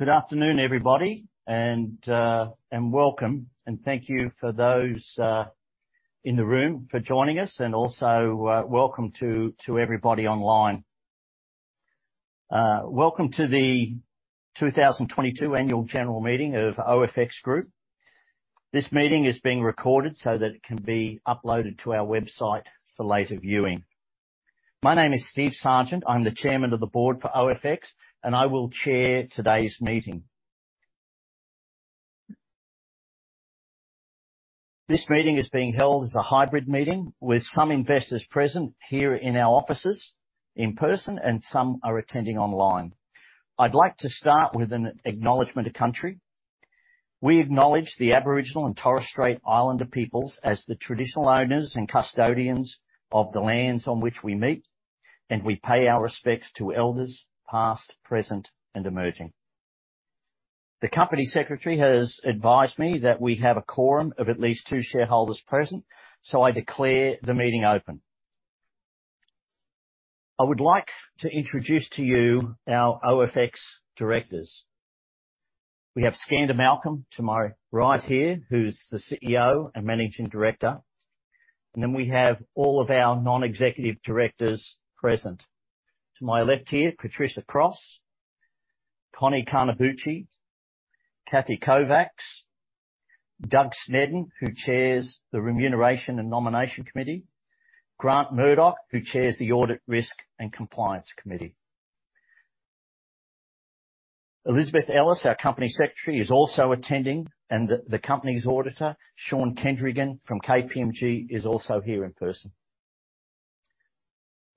Good afternoon, everybody, and welcome, and thank you for those in the room for joining us, and also welcome to everybody online. Welcome to the 2022 Annual General Meeting of OFX Group. This meeting is being recorded so that it can be uploaded to our website for later viewing. My name is Steve Sargent. I'm the Chairman of the board for OFX, and I will chair today's meeting. This meeting is being held as a hybrid meeting, with some investors present here in our offices in person and some are attending online. I'd like to start with an acknowledgement of country. We acknowledge the Aboriginal and Torres Strait Islander peoples as the traditional owners and custodians of the lands on which we meet, and we pay our respects to elders past, present, and emerging. The Company Secretary has advised me that we have a quorum of at least two shareholders present, so I declare the meeting open. I would like to introduce to you our OFX directors. We have Skander Malcolm to my right here, who's the CEO and Managing Director, and then we have all of our non-executive directors present. To my left here, Patricia Cross, Connie Carnabuci, Cathy Kovacs, Douglas Snedden, who chairs the Remuneration and Nomination Committee. Grant Murdoch, who chairs the Audit, Risk, and Compliance Committee. Elisabeth Ellis, our Company Secretary, is also attending, and the company's auditor, Shaun Kendrigan from KPMG, is also here in person.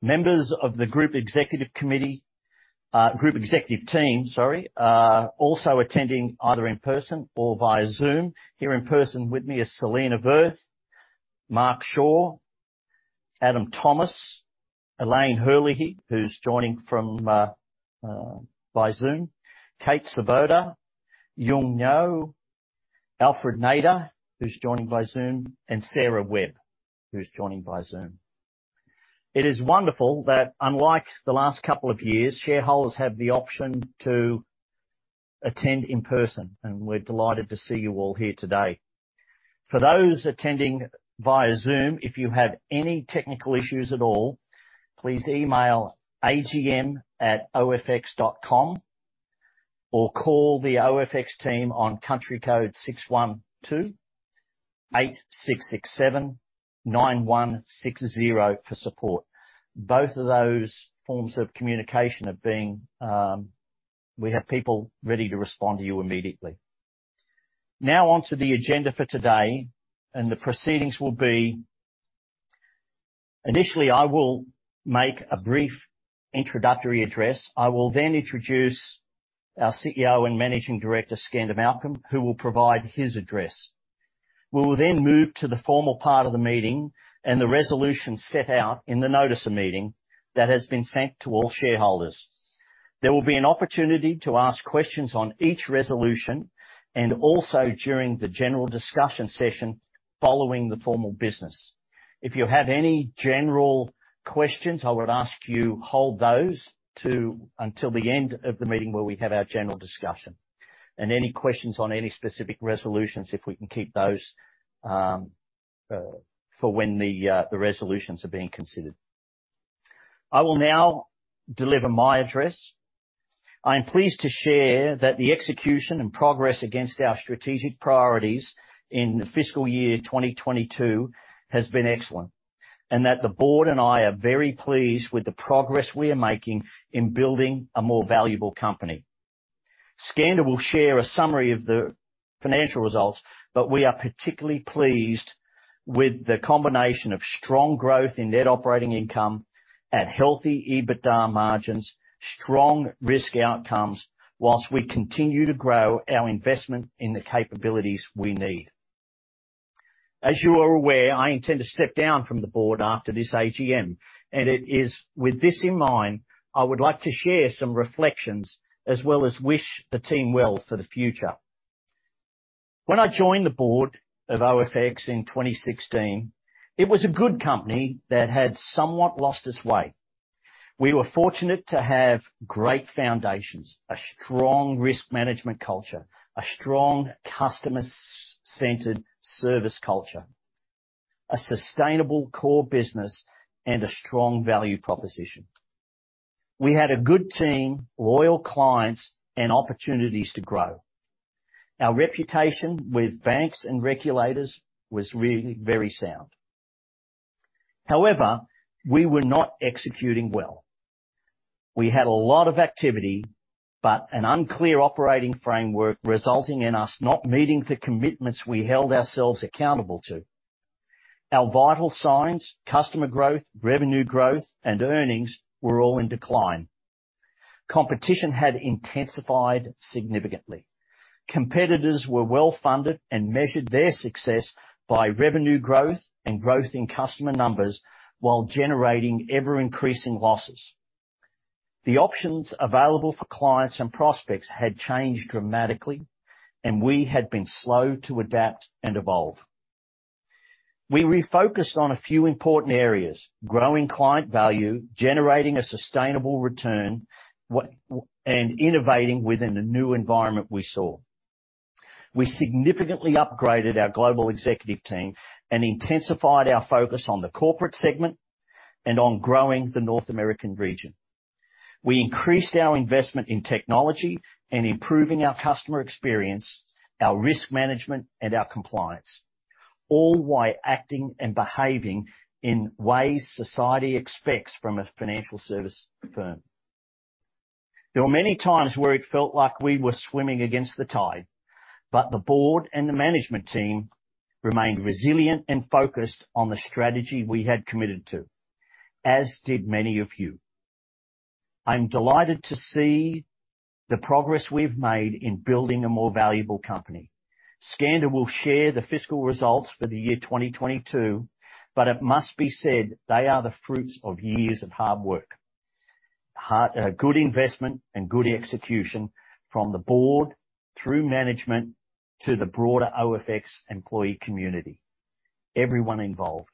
Members of the Group Executive Committee, Group Executive Team, sorry, are also attending either in person or via Zoom. Here in person with me is Selena Verth, Mark Shaw, Adam Thomas, Elaine Herlihy, who's joining by Zoom. Kate Svoboda, Yung Ngo, Alfred Nader, who's joining by Zoom, and Sarah Webb, who's joining by Zoom. It is wonderful that unlike the last couple of years, shareholders have the option to attend in person, and we're delighted to see you all here today. For those attending via Zoom, if you have any technical issues at all, please email agm@ofx.com or call the OFX team on country code 612-8667-9160 for support. We have people ready to respond to you immediately. Now on to the agenda for today, and the proceedings will be. Initially, I will make a brief introductory address. I will then introduce our CEO and Managing Director, Skander Malcolm, who will provide his address. We will then move to the formal part of the meeting and the resolution set out in the notice of meeting that has been sent to all shareholders. There will be an opportunity to ask questions on each resolution and also during the general discussion session following the formal business. If you have any general questions, I would ask you hold those until the end of the meeting, where we have our general discussion. Any questions on any specific resolutions, if we can keep those, for when the resolutions are being considered. I will now deliver my address. I am pleased to share that the execution and progress against our strategic priorities in the fiscal year 2022 has been excellent, and that the board and I are very pleased with the progress we are making in building a more valuable company. Skander will share a summary of the financial results, but we are particularly pleased with the combination of strong growth in net operating income at healthy EBITDA margins, strong risk outcomes, while we continue to grow our investment in the capabilities we need. As you are aware, I intend to step down from the board after this AGM, and it is with this in mind, I would like to share some reflections as well as wish the team well for the future. When I joined the board of OFX in 2016, it was a good company that had somewhat lost its way. We were fortunate to have great foundations, a strong risk management culture, a strong customer-centered service culture, a sustainable core business, and a strong value proposition. We had a good team, loyal clients, and opportunities to grow. Our reputation with banks and regulators was really very sound. However, we were not executing well. We had a lot of activity, but an unclear operating framework, resulting in us not meeting the commitments we held ourselves accountable to. Our vital signs, customer growth, revenue growth, and earnings were all in decline. Competition had intensified significantly. Competitors were well-funded and measured their success by revenue growth and growth in customer numbers while generating ever-increasing losses. The options available for clients and prospects had changed dramatically, and we had been slow to adapt and evolve. We refocused on a few important areas, growing client value, generating a sustainable return, and innovating within the new environment we saw. We significantly upgraded our global executive team and intensified our focus on the corporate segment and on growing the North American region. We increased our investment in technology and improving our customer experience, our risk management, and our compliance, all while acting and behaving in ways society expects from a financial service firm. There were many times where it felt like we were swimming against the tide, but the board and the management team remained resilient and focused on the strategy we had committed to, as did many of you. I'm delighted to see the progress we've made in building a more valuable company. Skander will share the fiscal results for the year 2022, but it must be said they are the fruits of years of hard work, good investment and good execution from the board through management to the broader OFX employee community, everyone involved.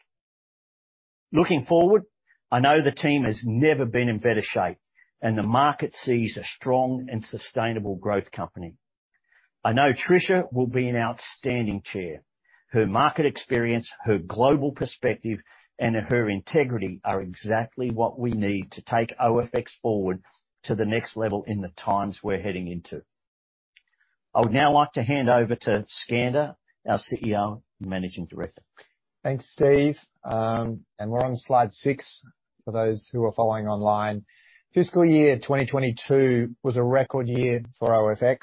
Looking forward, I know the team has never been in better shape, and the market sees a strong and sustainable growth company. I know Tricia will be an outstanding chair. Her market experience, her global perspective, and her integrity are exactly what we need to take OFX forward to the next level in the times we're heading into. I would now like to hand over to Skander Malcolm, our CEO and Managing Director. Thanks, Steve. We're on slide six for those who are following online. Fiscal year 2022 was a record year for OFX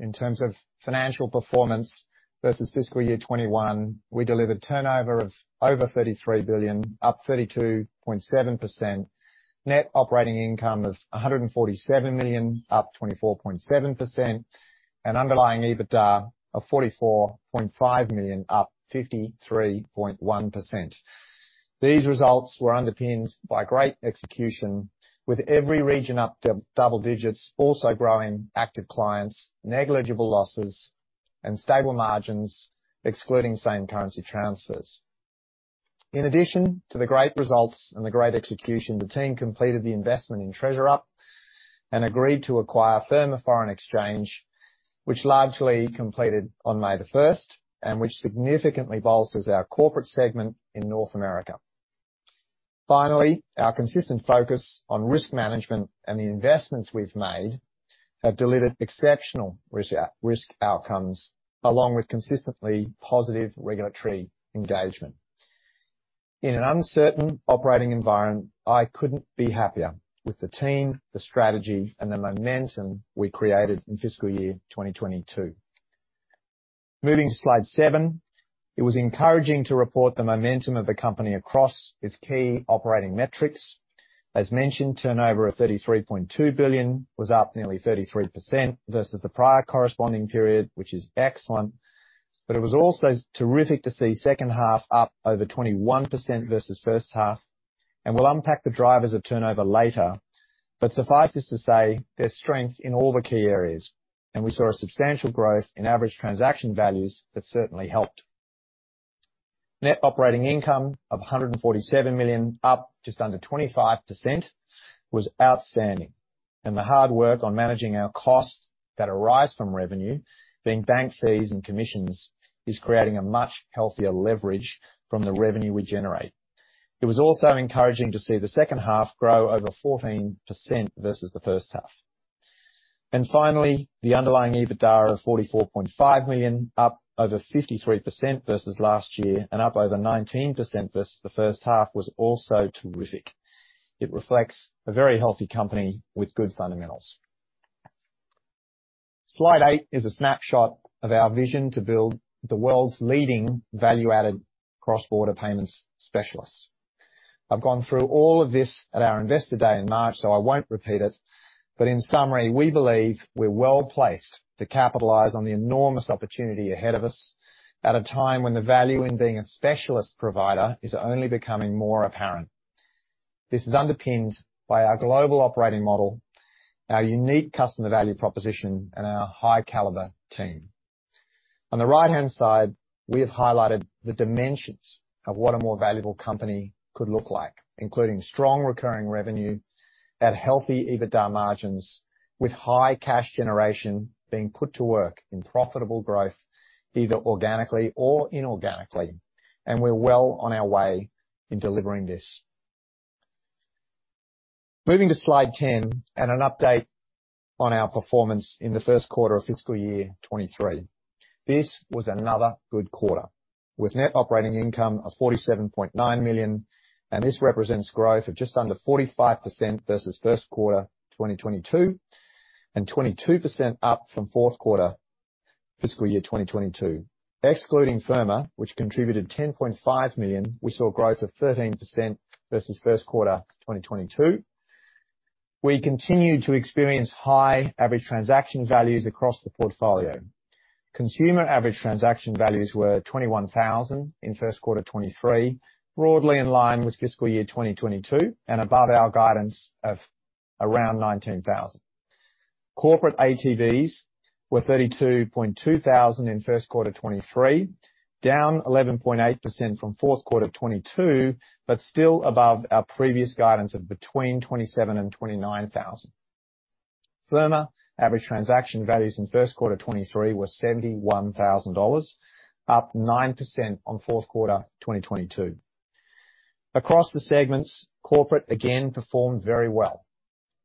in terms of financial performance versus fiscal year 2021. We delivered turnover of over 33 billion, up 32.7%. Net operating income of 147 million, up 24.7%, and underlying EBITDA of 44.5 million, up 53.1%. These results were underpinned by great execution with every region up to double digits, also growing active clients, negligible losses, and stable margins excluding same-currency transfers. In addition to the great results and the great execution, the team completed the investment in TreasurUp and agreed to acquire Firma Foreign Exchange, which largely completed on May 1, and which significantly bolsters our corporate segment in North America. Finally, our consistent focus on risk management and the investments we've made have delivered exceptional risk outcomes, along with consistently positive regulatory engagement. In an uncertain operating environment, I couldn't be happier with the team, the strategy, and the momentum we created in fiscal year 2022. Moving to slide seven. It was encouraging to report the momentum of the company across its key operating metrics. As mentioned, turnover of 33.2 billion was up nearly 33% versus the prior corresponding period, which is excellent. It was also terrific to see second half up over 21% versus first half, and we'll unpack the drivers of turnover later. Suffice it to say, there's strength in all the key areas, and we saw a substantial growth in average transaction values that certainly helped. Net operating income of 147 million, up just under 25% was outstanding. The hard work on managing our costs that arise from revenue, being bank fees and commissions, is creating a much healthier leverage from the revenue we generate. It was also encouraging to see the second half grow over 14% versus the first half. Finally, the underlying EBITDA of 44.5 million, up over 53% versus last year and up over 19% versus the first half, was also terrific. It reflects a very healthy company with good fundamentals. Slide eight is a snapshot of our vision to build the world's leading value-added cross-border payments specialist. I've gone through all of this at our investor day in March, so I won't repeat it. In summary, we believe we're well-placed to capitalize on the enormous opportunity ahead of us at a time when the value in being a specialist provider is only becoming more apparent. This is underpinned by our global operating model, our unique customer value proposition, and our high caliber team. On the right-hand side, we have highlighted the dimensions of what a more valuable company could look like, including strong recurring revenue at healthy EBITDA margins with high cash generation being put to work in profitable growth, either organically or inorganically. We're well on our way in delivering this. Moving to slide 10 and an update on our performance in the Q1 of fiscal year 2023. This was another good quarter with net operating income of 47.9 million, and this represents growth of just under 45% versus Q1 2022, and 22% up from Q4 fiscal year 2022. Excluding Firma, which contributed 10.5 million, we saw growth of 13% versus Q1 2022. We continue to experience high average transaction values across the portfolio. Consumer average transaction values were 21,000 in Q1 2023, broadly in line with fiscal year 2022 and above our guidance of around 19,000. Corporate ATVs were 32.2 thousand in Q1 2023, down 11.8% from Q4 2022, but still above our previous guidance of between 27,000 and 29,000. Firma average transaction values in Q1 2023 were 71,000 dollars, up 9% on Q4 2022. Across the segments, corporate again performed very well,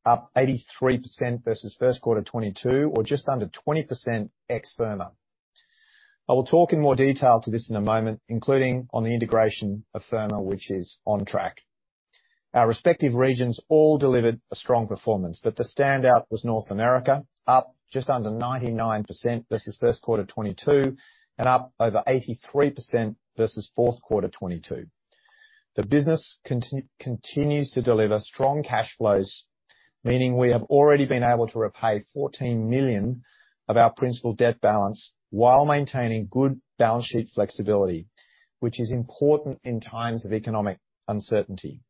up 83% versus Q1 2022 or just under 20% ex-Firma. I will talk in more detail to this in a moment, including on the integration of Firma, which is on track. Our respective regions all delivered a strong performance, but the standout was North America, up just under 99% versus Q1 2022 and up over 83% versus Q4 2022. The business continues to deliver strong cash flows, meaning we have already been able to repay 14 million of our principal debt balance while maintaining good balance sheet flexibility, which is important in times of economic uncertainty.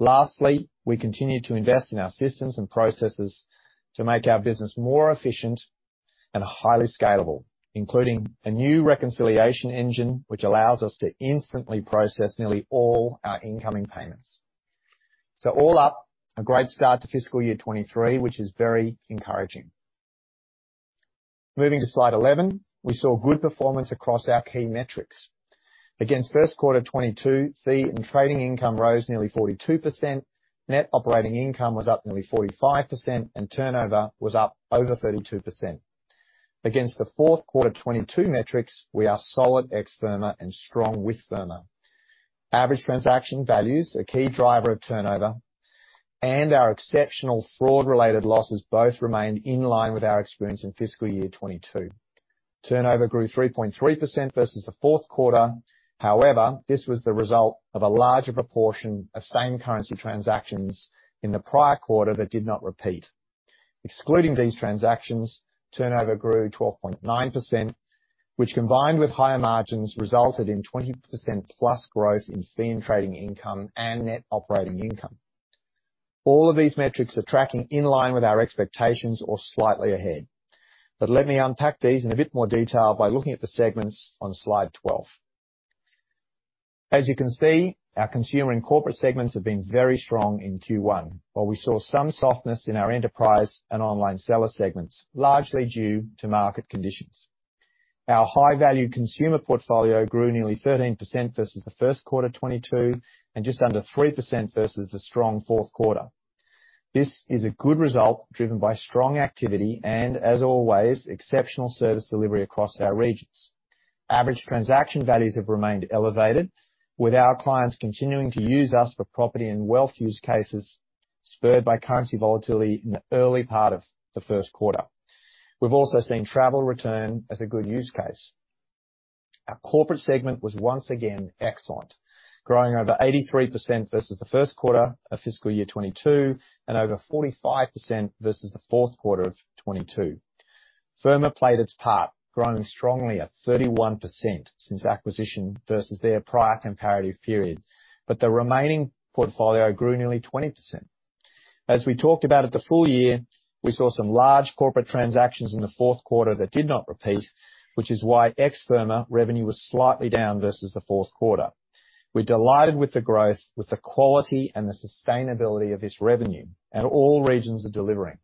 Lastly, we continue to invest in our systems and processes to make our business more efficient and highly scalable, including a new reconciliation engine which allows us to instantly process nearly all our incoming payments. All up, a great start to fiscal year 2023, which is very encouraging. Moving to slide 11. We saw good performance across our key metrics. Against Q1 2022, fee and trading income rose nearly 42%. Net operating income was up nearly 45%, and turnover was up over 32%. Against the Q4 2022 metrics, we are solid ex Firma and strong with Firma. Average transaction values, a key driver of turnover, and our exceptional fraud-related losses both remained in line with our experience in fiscal year 2022. Turnover grew 3.3% versus the Q4. However, this was the result of a larger proportion of same-currency transactions in the prior quarter that did not repeat. Excluding these transactions, turnover grew 12.9%, which, combined with higher margins, resulted in 20%+ growth in fee and trading income and net operating income. All of these metrics are tracking in line with our expectations or slightly ahead. Let me unpack these in a bit more detail by looking at the segments on slide 12. As you can see, our consumer and corporate segments have been very strong in Q1, while we saw some softness in our enterprise and online seller segments, largely due to market conditions. Our high-value consumer portfolio grew nearly 13% versus the Q1 2022 and just under 3% versus the strong Q4. This is a good result, driven by strong activity and, as always, exceptional service delivery across our regions. Average transaction values have remained elevated, with our clients continuing to use us for property and wealth use cases, spurred by currency volatility in the early part of the Q1. We've also seen travel return as a good use case. Our corporate segment was once again excellent, growing over 83% versus the Q1 of fiscal year 2022 and over 45% versus the Q4 of 2022. Firma played its part, growing strongly at 31% since acquisition versus their prior comparative period, but the remaining portfolio grew nearly 20%. As we talked about at the full year, we saw some large corporate transactions in the Q4 that did not repeat, which is why ex-Firma revenue was slightly down versus the Q4. We're delighted with the growth, with the quality and the sustainability of this revenue, and all regions are delivering.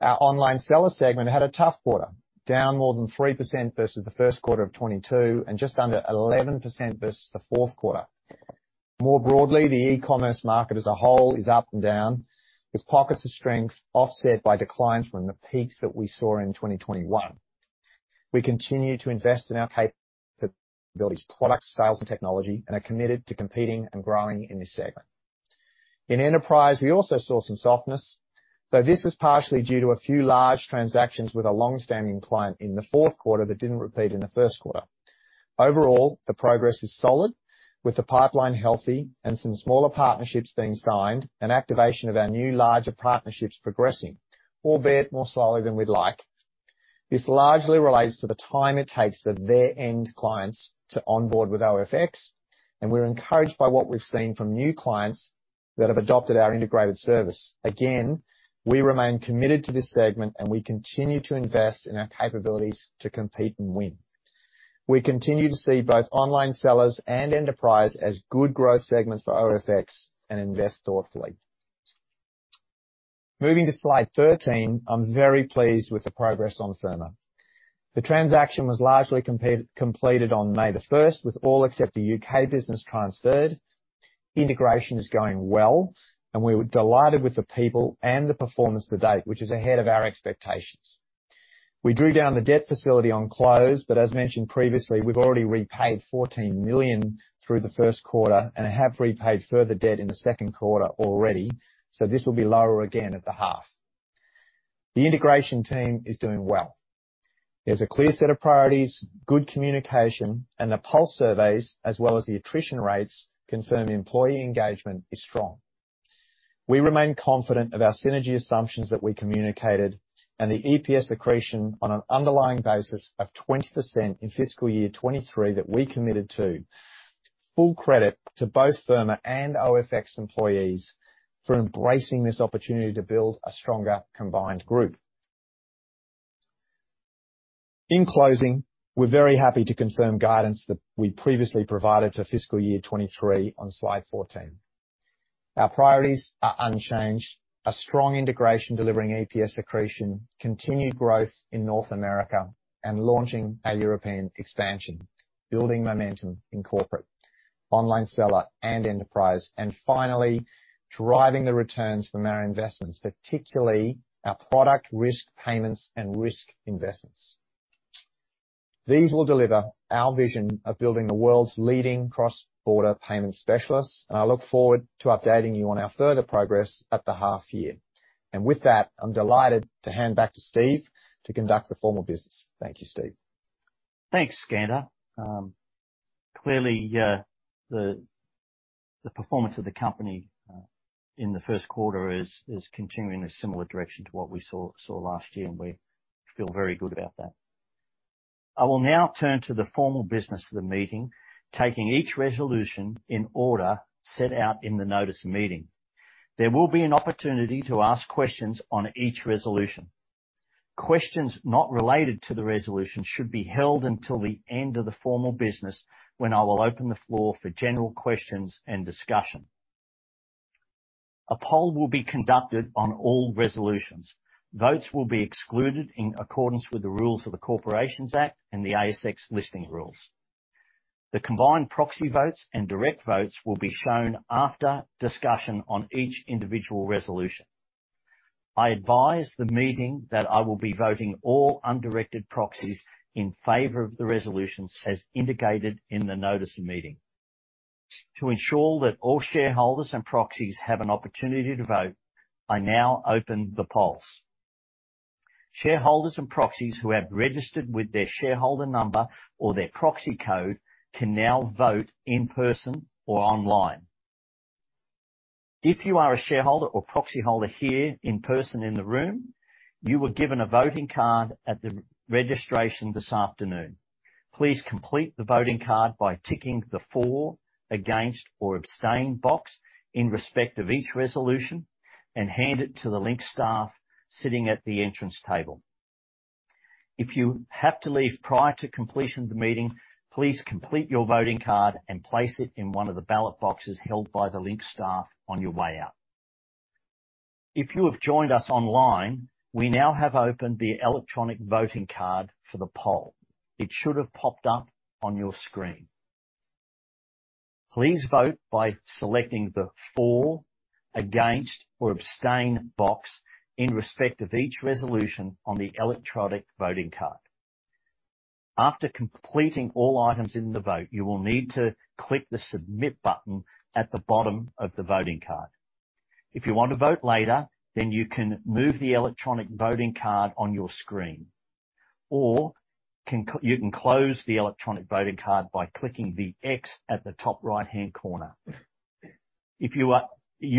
Our online seller segment had a tough quarter, down more than 3% versus the Q1 of 2022 and just under 11% versus the Q4. More broadly, the e-commerce market as a whole is up and down, with pockets of strength offset by declines from the peaks that we saw in 2021. We continue to invest in our capabilities, products, sales and technology, and are committed to competing and growing in this segment. In enterprise, we also saw some softness, though this was partially due to a few large transactions with a long-standing client in the Q4 that didn't repeat in the Q1. Overall, the progress is solid, with the pipeline healthy and some smaller partnerships being signed and activation of our new larger partnerships progressing, albeit more slowly than we'd like. This largely relates to the time it takes for their end clients to onboard with OFX, and we're encouraged by what we've seen from new clients that have adopted our integrated service. We remain committed to this segment, and we continue to invest in our capabilities to compete and win. We continue to see both online sellers and enterprise as good growth segments for OFX and invest thoughtfully. Moving to slide 13, I'm very pleased with the progress on Firma. The transaction was largely completed on May the first, with all except the U.K. business transferred. Integration is going well, and we were delighted with the people and the performance to date, which is ahead of our expectations. We drew down the debt facility on close, but as mentioned previously, we've already repaid 14 million through the Q1 and have repaid further debt in the Q2 already, so this will be lower again at the half. The integration team is doing well. There's a clear set of priorities, good communication, and the pulse surveys, as well as the attrition rates, confirm employee engagement is strong. We remain confident of our synergy assumptions that we communicated and the EPS accretion on an underlying basis of 20% in fiscal year 2023 that we committed to. Full credit to both Firma and OFX employees for embracing this opportunity to build a stronger combined group. In closing, we're very happy to confirm guidance that we previously provided for fiscal year 2023 on slide 14. Our priorities are unchanged. A strong integration delivering EPS accretion, continued growth in North America, and launching our European expansion. Building momentum in corporate, online seller, and enterprise. Finally, driving the returns from our investments, particularly our product risk payments and risk investments. These will deliver our vision of building the world's leading cross-border payment specialist, and I look forward to updating you on our further progress at the half year. With that, I'm delighted to hand back to Steve to conduct the formal business. Thank you, Steve. Thanks, Skander. Clearly, the performance of the company in the Q1 is continuing a similar direction to what we saw last year, and we feel very good about that. I will now turn to the formal business of the meeting, taking each resolution in order set out in the notice of meeting. There will be an opportunity to ask questions on each resolution. Questions not related to the resolution should be held until the end of the formal business, when I will open the floor for general questions and discussion. A poll will be conducted on all resolutions. Votes will be excluded in accordance with the rules of the Corporations Act and the ASX Listing Rules. The combined proxy votes and direct votes will be shown after discussion on each individual resolution. I advise the meeting that I will be voting all undirected proxies in favor of the resolutions, as indicated in the notice of meeting. To ensure that all shareholders and proxies have an opportunity to vote, I now open the polls. Shareholders and proxies who have registered with their shareholder number or their proxy code can now vote in person or online. If you are a shareholder or proxyholder here in person in the room, you were given a voting card at the registration this afternoon. Please complete the voting card by ticking the for, against, or abstain box in respect of each resolution and hand it to the Link staff sitting at the entrance table. If you have to leave prior to completion of the meeting, please complete your voting card and place it in one of the ballot boxes held by the Link staff on your way out. If you have joined us online, we now have opened the electronic voting card for the poll. It should have popped up on your screen. Please vote by selecting the for, against, or abstain box in respect of each resolution on the electronic voting card. After completing all items in the vote, you will need to click the Submit button at the bottom of the voting card. If you want to vote later, then you can move the electronic voting card on your screen, or you can close the electronic voting card by clicking the X at the top right-hand corner. You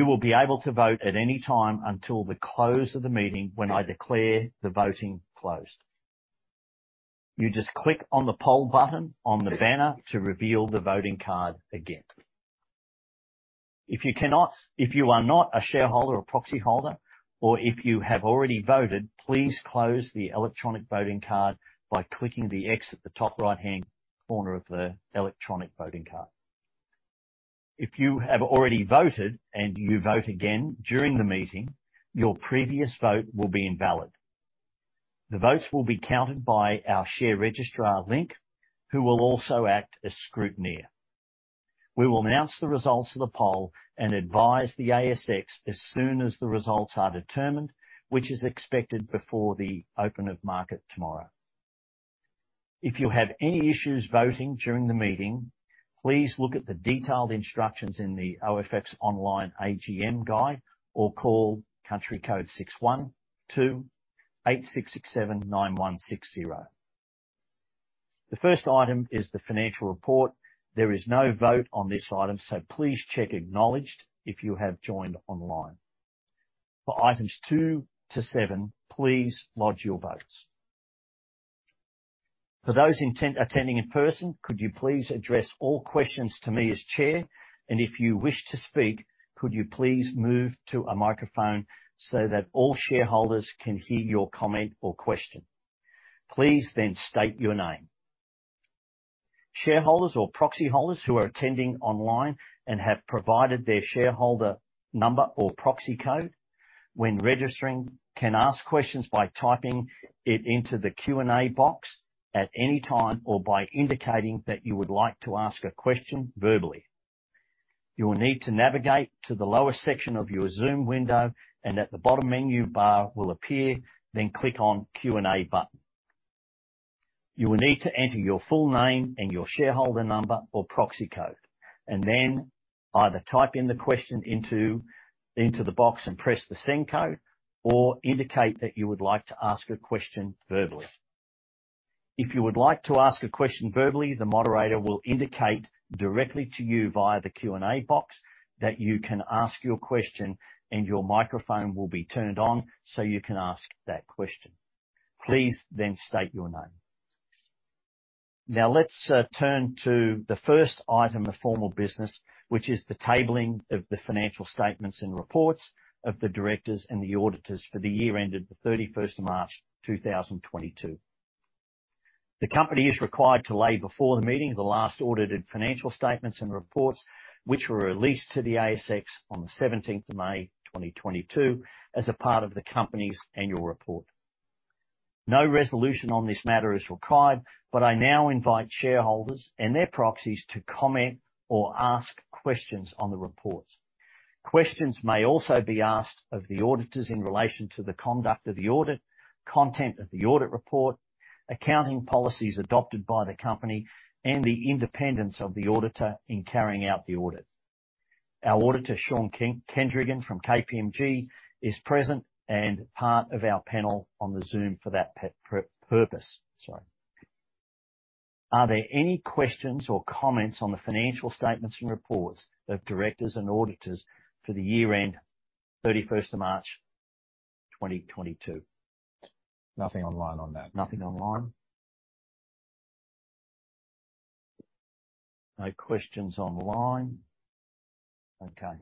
will be able to vote at any time until the close of the meeting when I declare the voting closed. You just click on the poll button on the banner to reveal the voting card again. If you cannot, if you are not a shareholder or proxyholder, or if you have already voted, please close the electronic voting card by clicking the X at the top right-hand corner of the electronic voting card. If you have already voted and you vote again during the meeting, your previous vote will be invalid. The votes will be counted by our share registrar, Link, who will also act as scrutineer. We will announce the results of the poll and advise the ASX as soon as the results are determined, which is expected before the open of market tomorrow. If you have any issues voting during the meeting, please look at the detailed instructions in the OFX online AGM guide or call country code 612-8667-9160. The first item is the financial report. There is no vote on this item, so please check Acknowledged if you have joined online. For items two-seven, please lodge your votes. For those attending in person, could you please address all questions to me as Chair? If you wish to speak, could you please move to a microphone so that all shareholders can hear your comment or question. Please then state your name. Shareholders or proxyholders who are attending online and have provided their shareholder number or proxy code when registering can ask questions by typing it into the Q&A box at any time or by indicating that you would like to ask a question verbally. You will need to navigate to the lower section of your Zoom window and the bottom menu bar will appear, then click on Q&A button. You will need to enter your full name and your shareholder number or proxy code, and then either type in the question into the box and press the Send code or indicate that you would like to ask a question verbally. If you would like to ask a question verbally, the moderator will indicate directly to you via the Q&A box that you can ask your question and your microphone will be turned on so you can ask that question. Please then state your name. Now let's turn to the first item of formal business, which is the tabling of the financial statements and reports of the directors and the auditors for the year ended the 31st of March, 2022. The company is required to lay before the meeting the last audited financial statements and reports which were released to the ASX on the seventeenth of May, 2022 as a part of the company's annual report. No resolution on this matter is required, but I now invite shareholders and their proxies to comment or ask questions on the reports. Questions may also be asked of the auditors in relation to the conduct of the audit, content of the audit report, accounting policies adopted by the company, and the independence of the auditor in carrying out the audit. Our auditor, Sean Kendrigan, from KPMG, is present and part of our panel on the Zoom for that purpose. Sorry. Are there any questions or comments on the financial statements and reports of directors and auditors for the year end 31st of March, 2022? Nothing online on that. Nothing online? No questions online. Okay.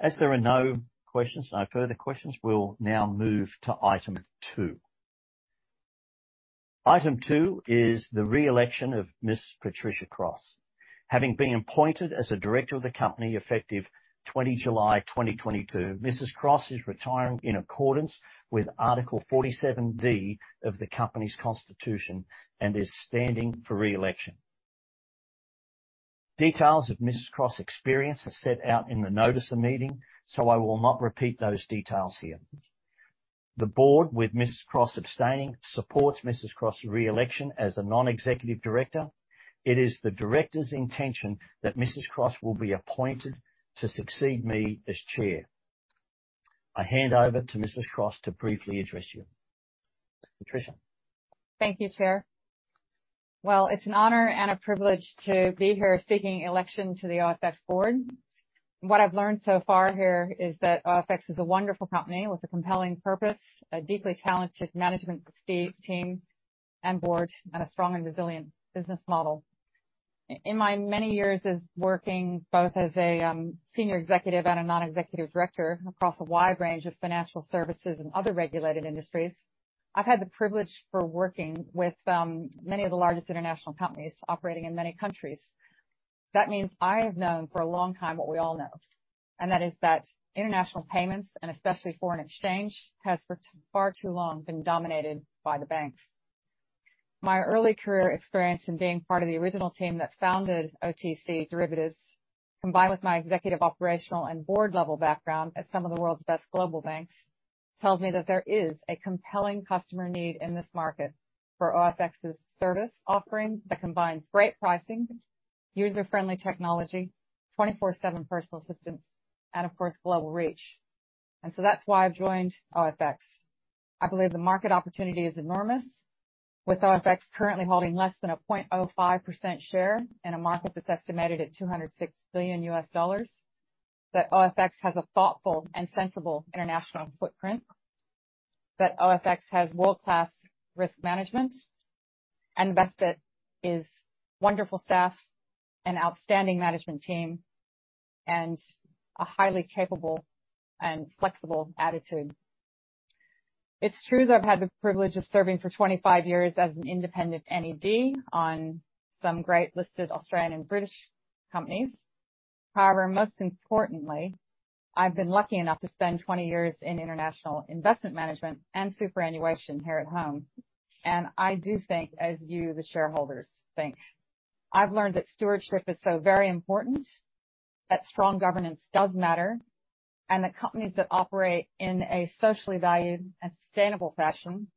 As there are no questions, no further questions, we'll now move to item two. Item two is the re-election of Ms. Patricia Cross. Having been appointed as a director of the company effective 20 July 2022, Mrs. Cross is retiring in accordance with Article 47(d) of the company's constitution and is standing for re-election. Details of Mrs. Cross' experience are set out in the notice of meeting, so I will not repeat those details here. The board, with Mrs. Cross abstaining, supports Mrs. Cross' re-election as a non-executive director. It is the director's intention that Mrs. Cross will be appointed to succeed me as chair. I hand over to Mrs. Cross to briefly address you. Patricia. Thank you, Chair. Well, it's an honor and a privilege to be here seeking election to the OFX board. What I've learned so far here is that OFX is a wonderful company with a compelling purpose, a deeply talented management team and board, and a strong and resilient business model. In my many years of working both as a senior executive and a non-executive director across a wide range of financial services and other regulated industries, I've had the privilege of working with many of the largest international companies operating in many countries. That means I have known for a long time what we all know, and that is that international payments, and especially foreign exchange, has for far too long been dominated by the banks. My early career experience in being part of the original team that founded OTC derivatives, combined with my executive, operational, and board-level background at some of the world's best global banks, tells me that there is a compelling customer need in this market for OFX's service offerings that combines great pricing, user-friendly technology, 24/7 personal assistance, and of course, global reach. That's why I've joined OFX. I believe the market opportunity is enormous, with OFX currently holding less than 0.05% share in a market that's estimated at $206 billion. OFX has a thoughtful and sensible international footprint. OFX has world-class risk management. Best bit is wonderful staff and outstanding management team, and a highly capable and flexible attitude. It's true that I've had the privilege of serving for 25 years as an independent NED on some great listed Australian and British companies. However, most importantly, I've been lucky enough to spend 20 years in international investment management and superannuation here at home. I do think, as you, the shareholders, think. I've learned that stewardship is so very important, that strong governance does matter, and that companies that operate in a socially valued and sustainable fashion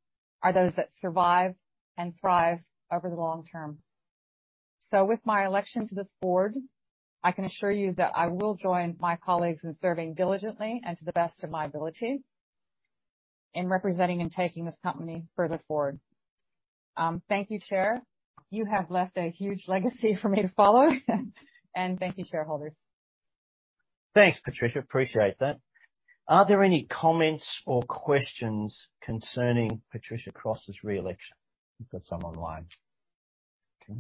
are those that survive and thrive over the long term. With my election to this board, I can assure you that I will join my colleagues in serving diligently and to the best of my ability in representing and taking this company further forward. Thank you, Chair. You have left a huge legacy for me to follow. Thank you, shareholders. Thanks, Patricia. Appreciate that. Are there any comments or questions concerning Patricia Cross' re-election? We've got some online. Okay.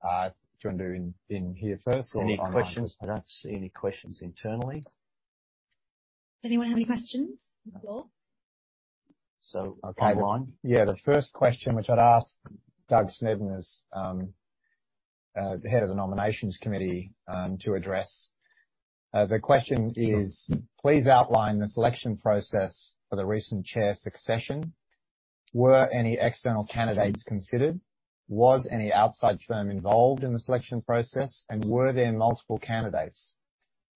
Do you want to do in here first or online? Any questions? I don't see any questions internally. Anyone have any questions on the floor? So, online? Yeah. The first question, which I'd ask Douglas Snedden as the head of the nominations committee, to address. The question is: Please outline the selection process for the recent chair succession. Were any external candidates considered? Was any outside firm involved in the selection process? Were there multiple candidates?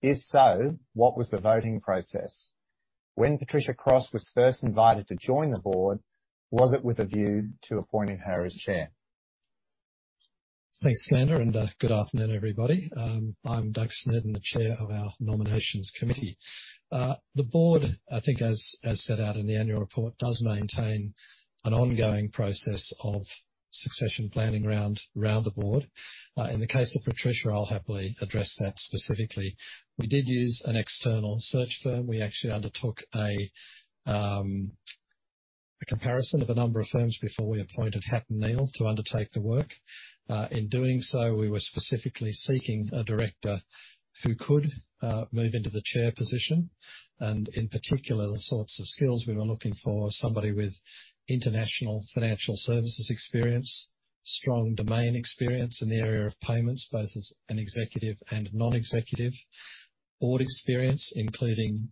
If so, what was the voting process? When Patricia Cross was first invited to join the board, was it with a view to appointing her as chair? Thanks, Skander, and good afternoon, everybody. I'm Doug Snedden, the chair of our nominations committee. The board, I think as set out in the annual report, does maintain an ongoing process of succession planning around the board. In the case of Patricia, I'll happily address that specifically. We did use an external search firm. We actually undertook a comparison of a number of firms before we appointed Heidrick & Struggles to undertake the work. In doing so, we were specifically seeking a director who could move into the chair position, and in particular, the sorts of skills we were looking for, somebody with international financial services experience, strong domain experience in the area of payments, both as an executive and non-executive board experience, including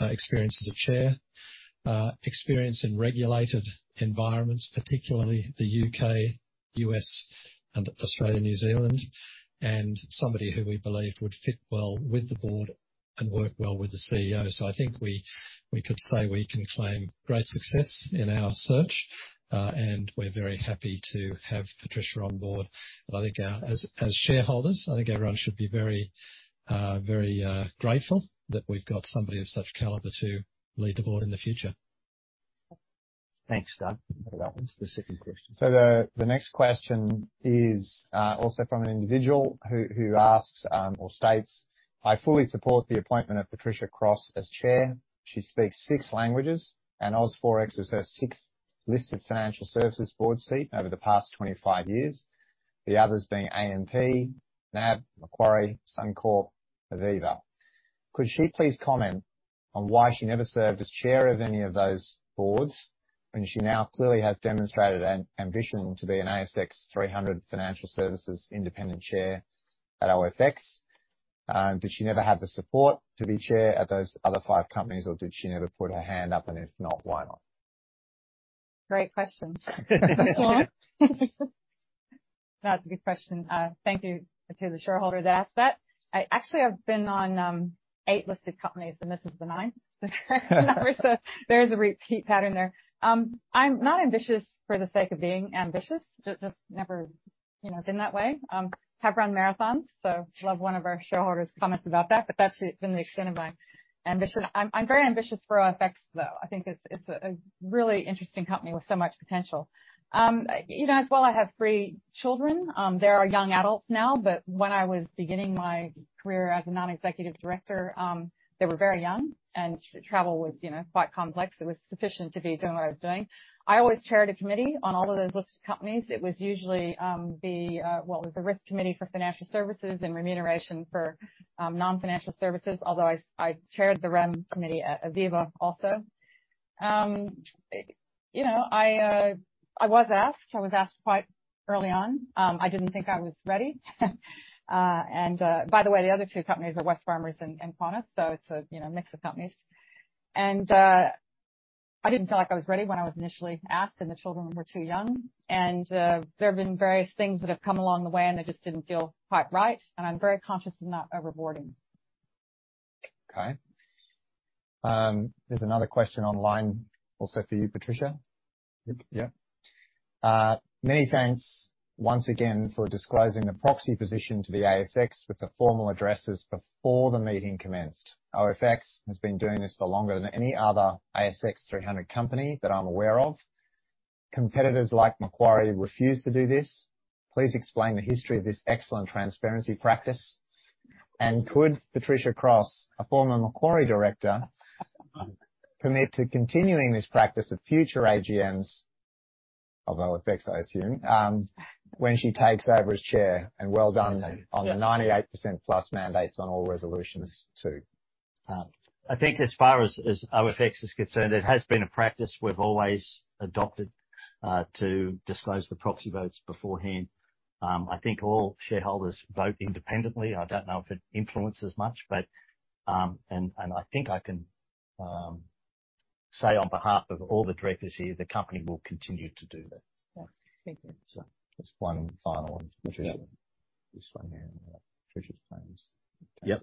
experience as a chair, experience in regulated environments, particularly the U.K., U.S., and Australia, New Zealand, and somebody who we believed would fit well with the board and work well with the CEO. I think we could say we can claim great success in our search, and we're very happy to have Patricia on board. I think, as shareholders, I think everyone should be very grateful that we've got somebody of such caliber to lead the board in the future. Thanks, Doug. How about the second question? The next question is also from an individual who asks or states, "I fully support the appointment of Patricia Cross as chair. She speaks six languages, and OzForex is her sixth listed financial services board seat over the past 25 years. The others being AMP, NAB, Macquarie, Suncorp, Aviva. Could she please comment on why she never served as chair of any of those boards when she now clearly has demonstrated ambition to be an ASX 300 financial services independent chair at OFX? Did she never have the support to be chair at those other five companies, or did she never put her hand up? If not, why not? Great question. That's a good question. Thank you to the shareholder that asked that. I actually have been on eight listed companies, and this is the ninth. So there is a repeat pattern there. I'm not ambitious for the sake of being ambitious. Just never, you know, been that way. Have run marathons, so love one of our shareholder's comments about that, but that's been the extent of my ambition. I'm very ambitious for OFX, though. I think it's a really interesting company with so much potential. You know, as well, I have three children. They are young adults now, but when I was beginning my career as a non-executive director, they were very young and travel was, you know, quite complex. It was sufficient to be doing what I was doing. I always chaired a committee on all of those listed companies. It was usually the risk committee for financial services and remuneration for non-financial services. Although I chaired the REM committee at Aviva also. You know, I was asked quite early on. I didn't think I was ready. By the way, the other two companies are Wesfarmers and Qantas. It's a you know mix of companies. I didn't feel like I was ready when I was initially asked, and the children were too young. There have been various things that have come along the way, and they just didn't feel quite right. I'm very conscious of not over-boarding. There's another question online also for you, Patricia. Yep. Many thanks once again for disclosing the proxy position to the ASX with the formal addresses before the meeting commenced. OFX has been doing this for longer than any other ASX 300 company that I'm aware of. Competitors like Macquarie refuse to do this. Please explain the history of this excellent transparency practice. Could Patricia Cross, a former Macquarie director, commit to continuing this practice at future AGMs of OFX, I assume, when she takes over as chair? Well done on the 98% plus mandates on all resolutions too. I think as far as OFX is concerned, it has been a practice we've always adopted to disclose the proxy votes beforehand. I think all shareholders vote independently. I don't know if it influences much, but and I think I can say on behalf of all the directors here, the company will continue to do that. Yes. Thank you. So- Just one final one. Yeah. This one here. Patricia's plans. Yep.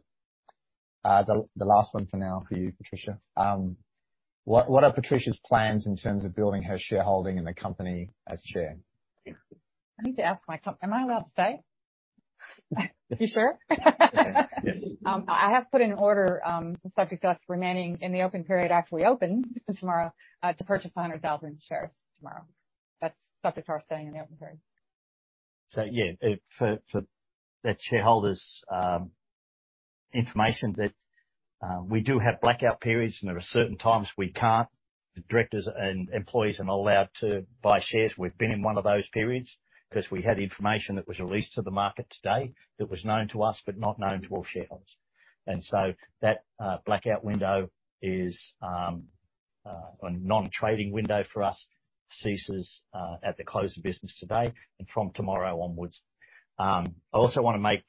The last one for now for you, Patricia. What are Patricia's plans in terms of building her shareholding in the company as chair? Am I allowed to say? You sure? Yeah. I have put an order, subject to us remaining in the open period after we open tomorrow, to purchase 100,000 shares tomorrow. That's subject to our staying in the open period. Yeah. For that shareholder's information, we do have blackout periods and there are certain times we can't. Directors and employees are not allowed to buy shares. We've been in one of those periods 'cause we had information that was released to the market today that was known to us but not known to all shareholders. That blackout window is a non-trading window for us, ceases at the close of business today and from tomorrow onwards. I also wanna make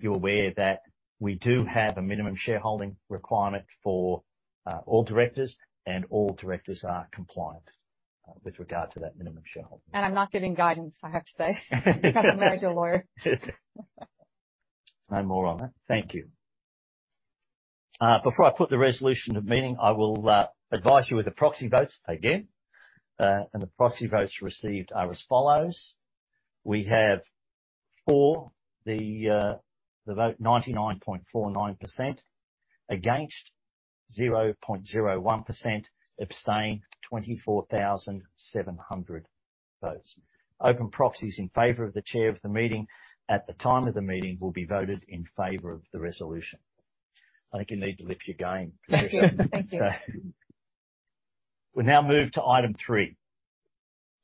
you aware that we do have a minimum shareholding requirement for all directors, and all directors are compliant with regard to that minimum shareholding. I'm not giving guidance, I have to say. I'm married to a lawyer. No more on that. Thank you. Before I put the resolution to the meeting, I will advise you of the proxy votes again. The proxy votes received are as follows. We have for the vote 99.49%. Against 0.01%. Abstain 24,700 votes. Open proxies in favor of the chair of the meeting at the time of the meeting will be voted in favor of the resolution. I think you need to lift your game. Thank you. We now move to item three.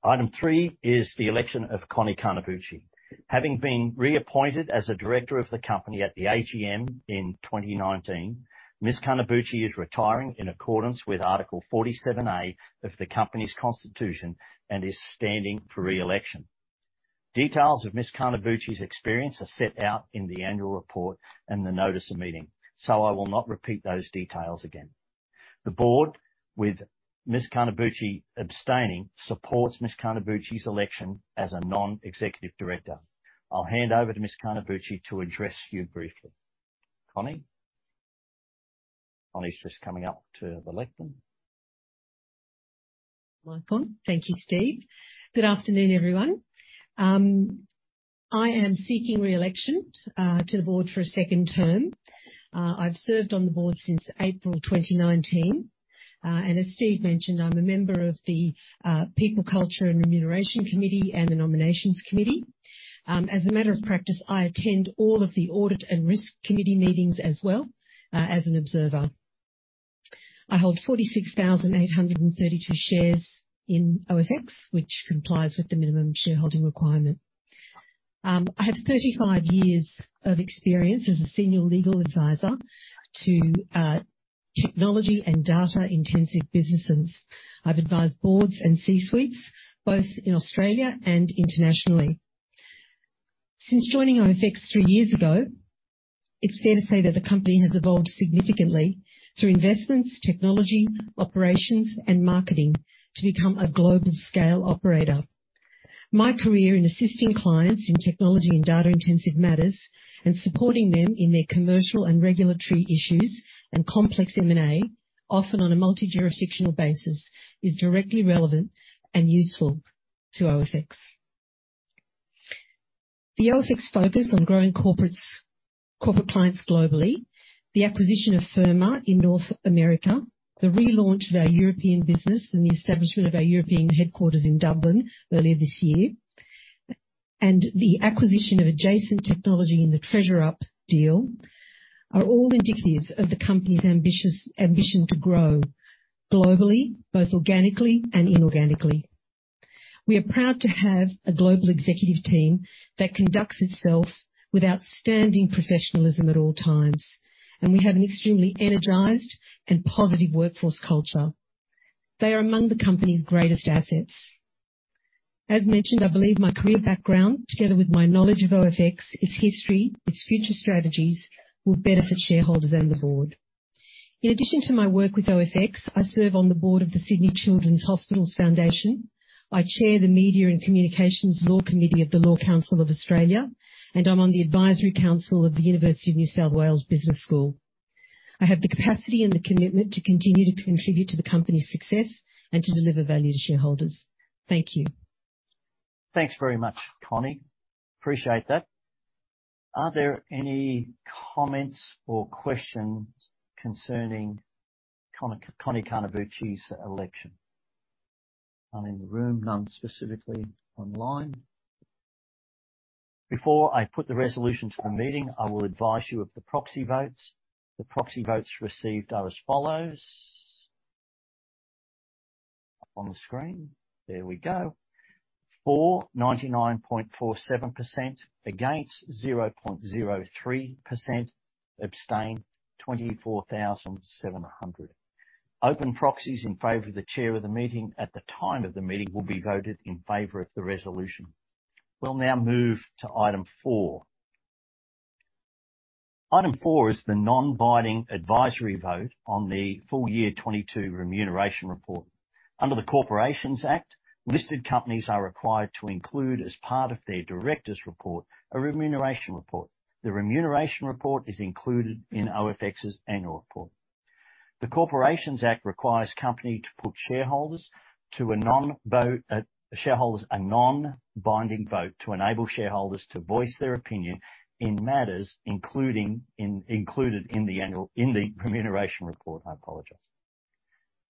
Item three is the election of Connie Carnabuci. Having been reappointed as a director of the company at the AGM in 2019, Ms. Carnabuci is retiring in accordance with Article 47(a) of the company's constitution and is standing for re-election. Details of Ms. Carnabuci's experience are set out in the annual report and the notice of meeting, so I will not repeat those details again. The board, with Ms. Carnabuci abstaining, supports Ms. Carnabuci's election as a non-executive director. I'll hand over to Ms. Carnabuci to address you briefly. Connie? Connie's just coming up to the lectern. Thank you, Steve. Good afternoon, everyone. I am seeking re-election to the board for a second term. I've served on the board since April 2019. As Steve mentioned, I'm a member of the People, Culture, and Remuneration Committee and the Nominations Committee. As a matter of practice, I attend all of the audit and risk committee meetings as well, as an observer. I hold 46,832 shares in OFX, which complies with the minimum shareholding requirement. I have 35 years of experience as a senior legal advisor to technology and data-intensive businesses. I've advised boards and C-suites both in Australia and internationally. Since joining OFX three years ago, it's fair to say that the company has evolved significantly through investments, technology, operations, and marketing to become a global scale operator. My career in assisting clients in technology and data-intensive matters and supporting them in their commercial and regulatory issues and complex M&A, often on a multi-jurisdictional basis, is directly relevant and useful to OFX. The OFX focus on growing corporate clients globally, the acquisition of Firma in North America, the relaunch of our European business, and the establishment of our European headquarters in Dublin earlier this year, and the acquisition of adjacent technology in the TreasurUp deal are all indicative of the company's ambition to grow globally, both organically and inorganically. We are proud to have a global executive team that conducts itself with outstanding professionalism at all times, and we have an extremely energized and positive workforce culture. They are among the company's greatest assets. As mentioned, I believe my career background, together with my knowledge of OFX, its history, its future strategies, will benefit shareholders and the board. In addition to my work with OFX, I serve on the board of the Sydney Children's Hospitals Foundation. I chair the Media and Communications Law Committee of the Law Council of Australia, and I'm on the Advisory Council of the University of New South Wales Business School. I have the capacity and the commitment to continue to contribute to the company's success and to deliver value to shareholders. Thank you. Thanks very much, Connie. Appreciate that. Are there any comments or questions concerning Connie Carnabuci's election? None in the room, none specifically online. Before I put the resolution to the meeting, I will advise you of the proxy votes. The proxy votes received are as follows. Up on the screen. There we go. For 99.47%, against 0.03%, abstain 24,700. Open proxies in favor of the chair of the meeting at the time of the meeting will be voted in favor of the resolution. We'll now move to item four. Item four is the non-binding advisory vote on the full year 2022 remuneration report. Under the Corporations Act, listed companies are required to include, as part of their directors' report, a remuneration report. The remuneration report is included in OFX's annual report. The Corporations Act 2001 requires the company to put to shareholders a non-binding vote to enable shareholders to voice their opinion in matters, including in the annual remuneration report. I apologize.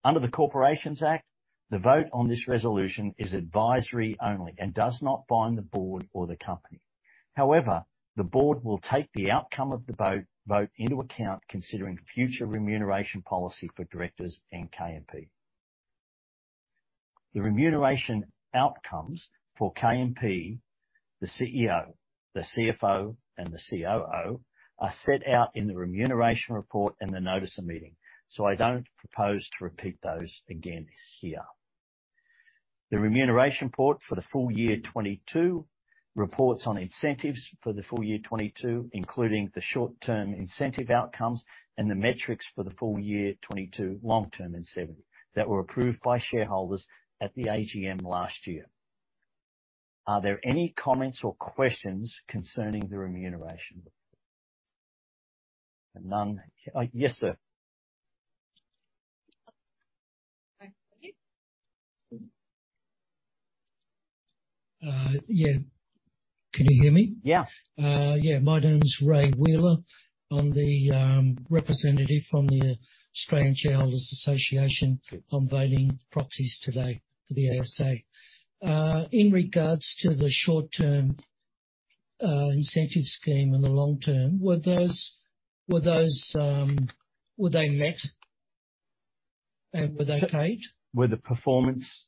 Under the Corporations Act 2001, the vote on this resolution is advisory only and does not bind the board or the company. However, the board will take the outcome of the vote into account considering future remuneration policy for directors and KMP. The remuneration outcomes for KMP, the CEO, the CFO, and the COO, are set out in the remuneration report and the notice of meeting, so I don't propose to repeat those again here. The remuneration report for the full year 2022 reports on incentives for the full year 2022, including the short-term incentive outcomes and the metrics for the full year 2022 long-term incentive that were approved by shareholders at the AGM last year. Are there any comments or questions concerning the remuneration? None. Yes, sir. Yeah. Can you hear me? Yeah. My name is Ray Wheeler. I'm the representative from the Australian Shareholders' Association. I'm voting proxies today for the ASA. In regards to the short-term incentive scheme and the long term, were those met? Were they paid? Were the performance-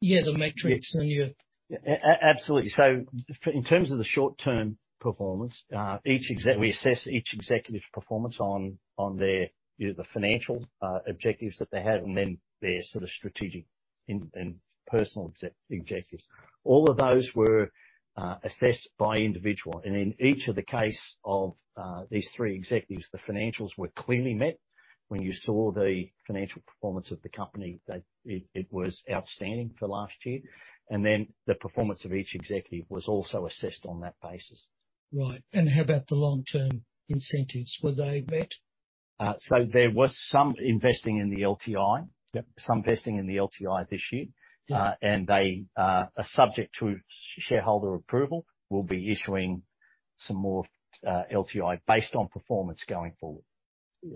Yeah. The metrics and your- Absolutely. In terms of the short-term performance, we assess each executive's performance on their, you know, the financial objectives that they have and then their sort of strategic and personal objectives. All of those were assessed individually. In each of the cases of these three executives, the financials were clearly met. When you saw the financial performance of the company, that it was outstanding for last year. The performance of each executive was also assessed on that basis. Right. How about the long-term incentives? Were they met? There was some investing in the LTI. Yep. Some vesting in the LTI this year. Yeah. They are subject to shareholder approval. We'll be issuing some more LTI based on performance going forward.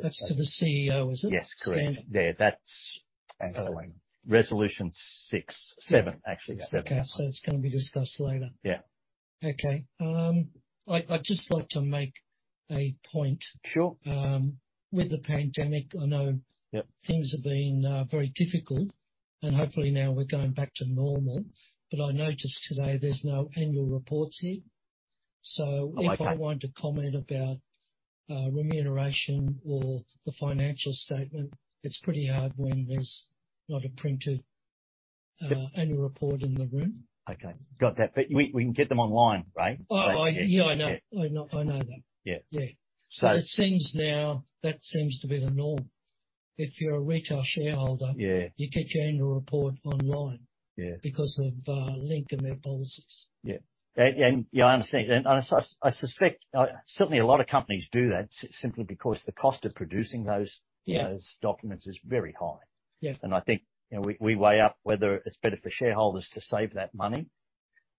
That's to the CEO, is it? Yes, correct. Standard. Yeah, that's. Oh Resolution six. seven, actually seven. Okay. It's gonna be discussed later. Yeah. Okay. I'd just like to make a point. Sure. With the pandemic, I know. Yep Things have been very difficult and hopefully now we're going back to normal. I noticed today there's no annual reports here. Okay If I want to comment about remuneration or the financial statement, it's pretty hard when there's not a printed annual report in the room. Okay. Got that. We can get them online, Ray. Yeah, I know. Yeah. I know that. Yeah. Yeah. So- It seems now that seems to be the norm. If you're a retail shareholder- Yeah You get your annual report online. Yeah Because of Link Administration policies. Yeah. Yeah, I understand. I suspect certainly a lot of companies do that simply because the cost of producing those. Yeah those documents is very high. Yeah. I think, you know, we weigh up whether it's better for shareholders to save that money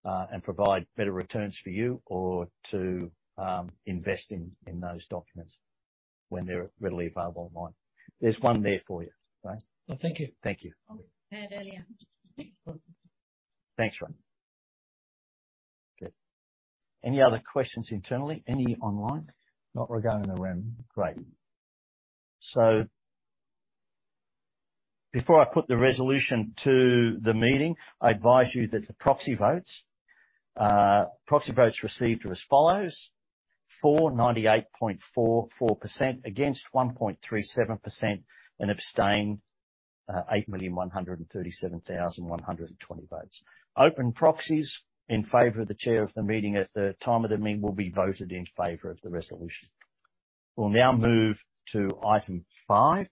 and provide better returns for you or to invest in those documents when they're readily available online. There's one there for you, Ray. Well, thank you. Thank you. I had earlier. Thanks, Ray. Okay. Any other questions internally? Any online? Not regarding the REM. Great. Before I put the resolution to the meeting, I advise you that the proxy votes received were as follows: for, 98.44%, against, 1.37%, and abstained, 8,137,120 votes. Opened proxies in favor of the chair of the meeting at the time of the meeting will be voted in favor of the resolution. We'll now move to item five.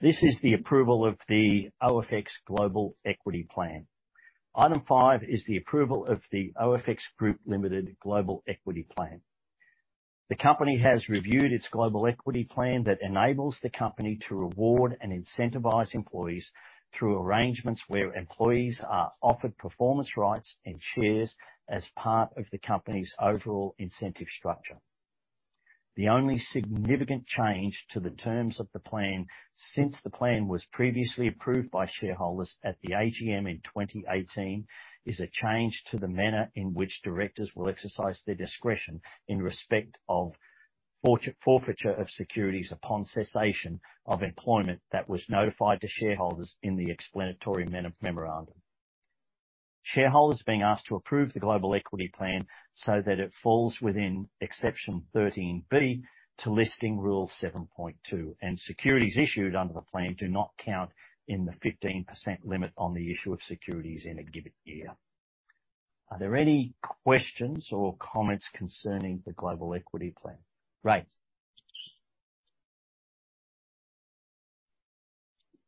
This is the approval of the OFX Global Equity Plan. Item five is the approval of the OFX Group Limited Global Equity Plan. The company has reviewed its Global Equity Plan that enables the company to reward and incentivize employees through arrangements where employees are offered performance rights and shares as part of the company's overall incentive structure. The only significant change to the terms of the plan since the plan was previously approved by shareholders at the AGM in 2018 is a change to the manner in which directors will exercise their discretion in respect of forfeiture of securities upon cessation of employment that was notified to shareholders in the explanatory memorandum. Shareholders are being asked to approve the Global Equity Plan so that it falls within Exception 13(b) to Listing Rule 7.2. Securities issued under the plan do not count in the 15% limit on the issue of securities in a given year. Are there any questions or comments concerning the Global Equity Plan? Ray?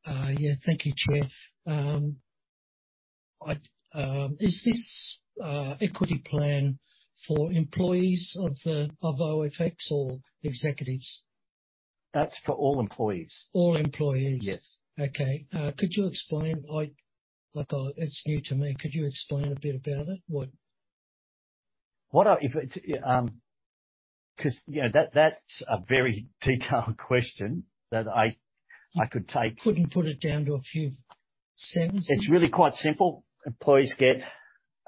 Yeah. Thank you, Chair. Is this equity plan for employees of the OFX or executives? That's for all employees. All employees? Yes. Okay. Could you explain, like, it's new to me. Could you explain a bit about it? What- If it's cause, you know, that's a very detailed question that I could take. Couldn't put it down to a few sentences? It's really quite simple. Employees get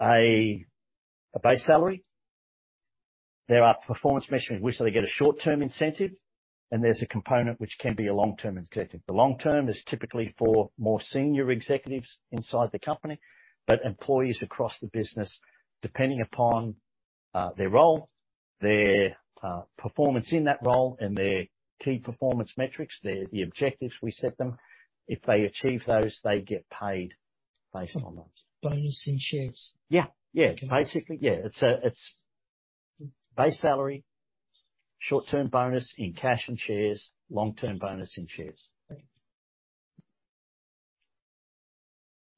a base salary. There are performance measurements, which they get a short-term incentive, and there's a component which can be a long-term incentive. The long-term is typically for more senior executives inside the company, but employees across the business, depending upon their role, their performance in that role and their key performance metrics, the objectives we set them, if they achieve those, they get paid based on those. Bonus in shares? Yeah. Yeah. Okay. Basically, yeah. It's base salary, short-term bonus in cash and shares, long-term bonus in shares. Thank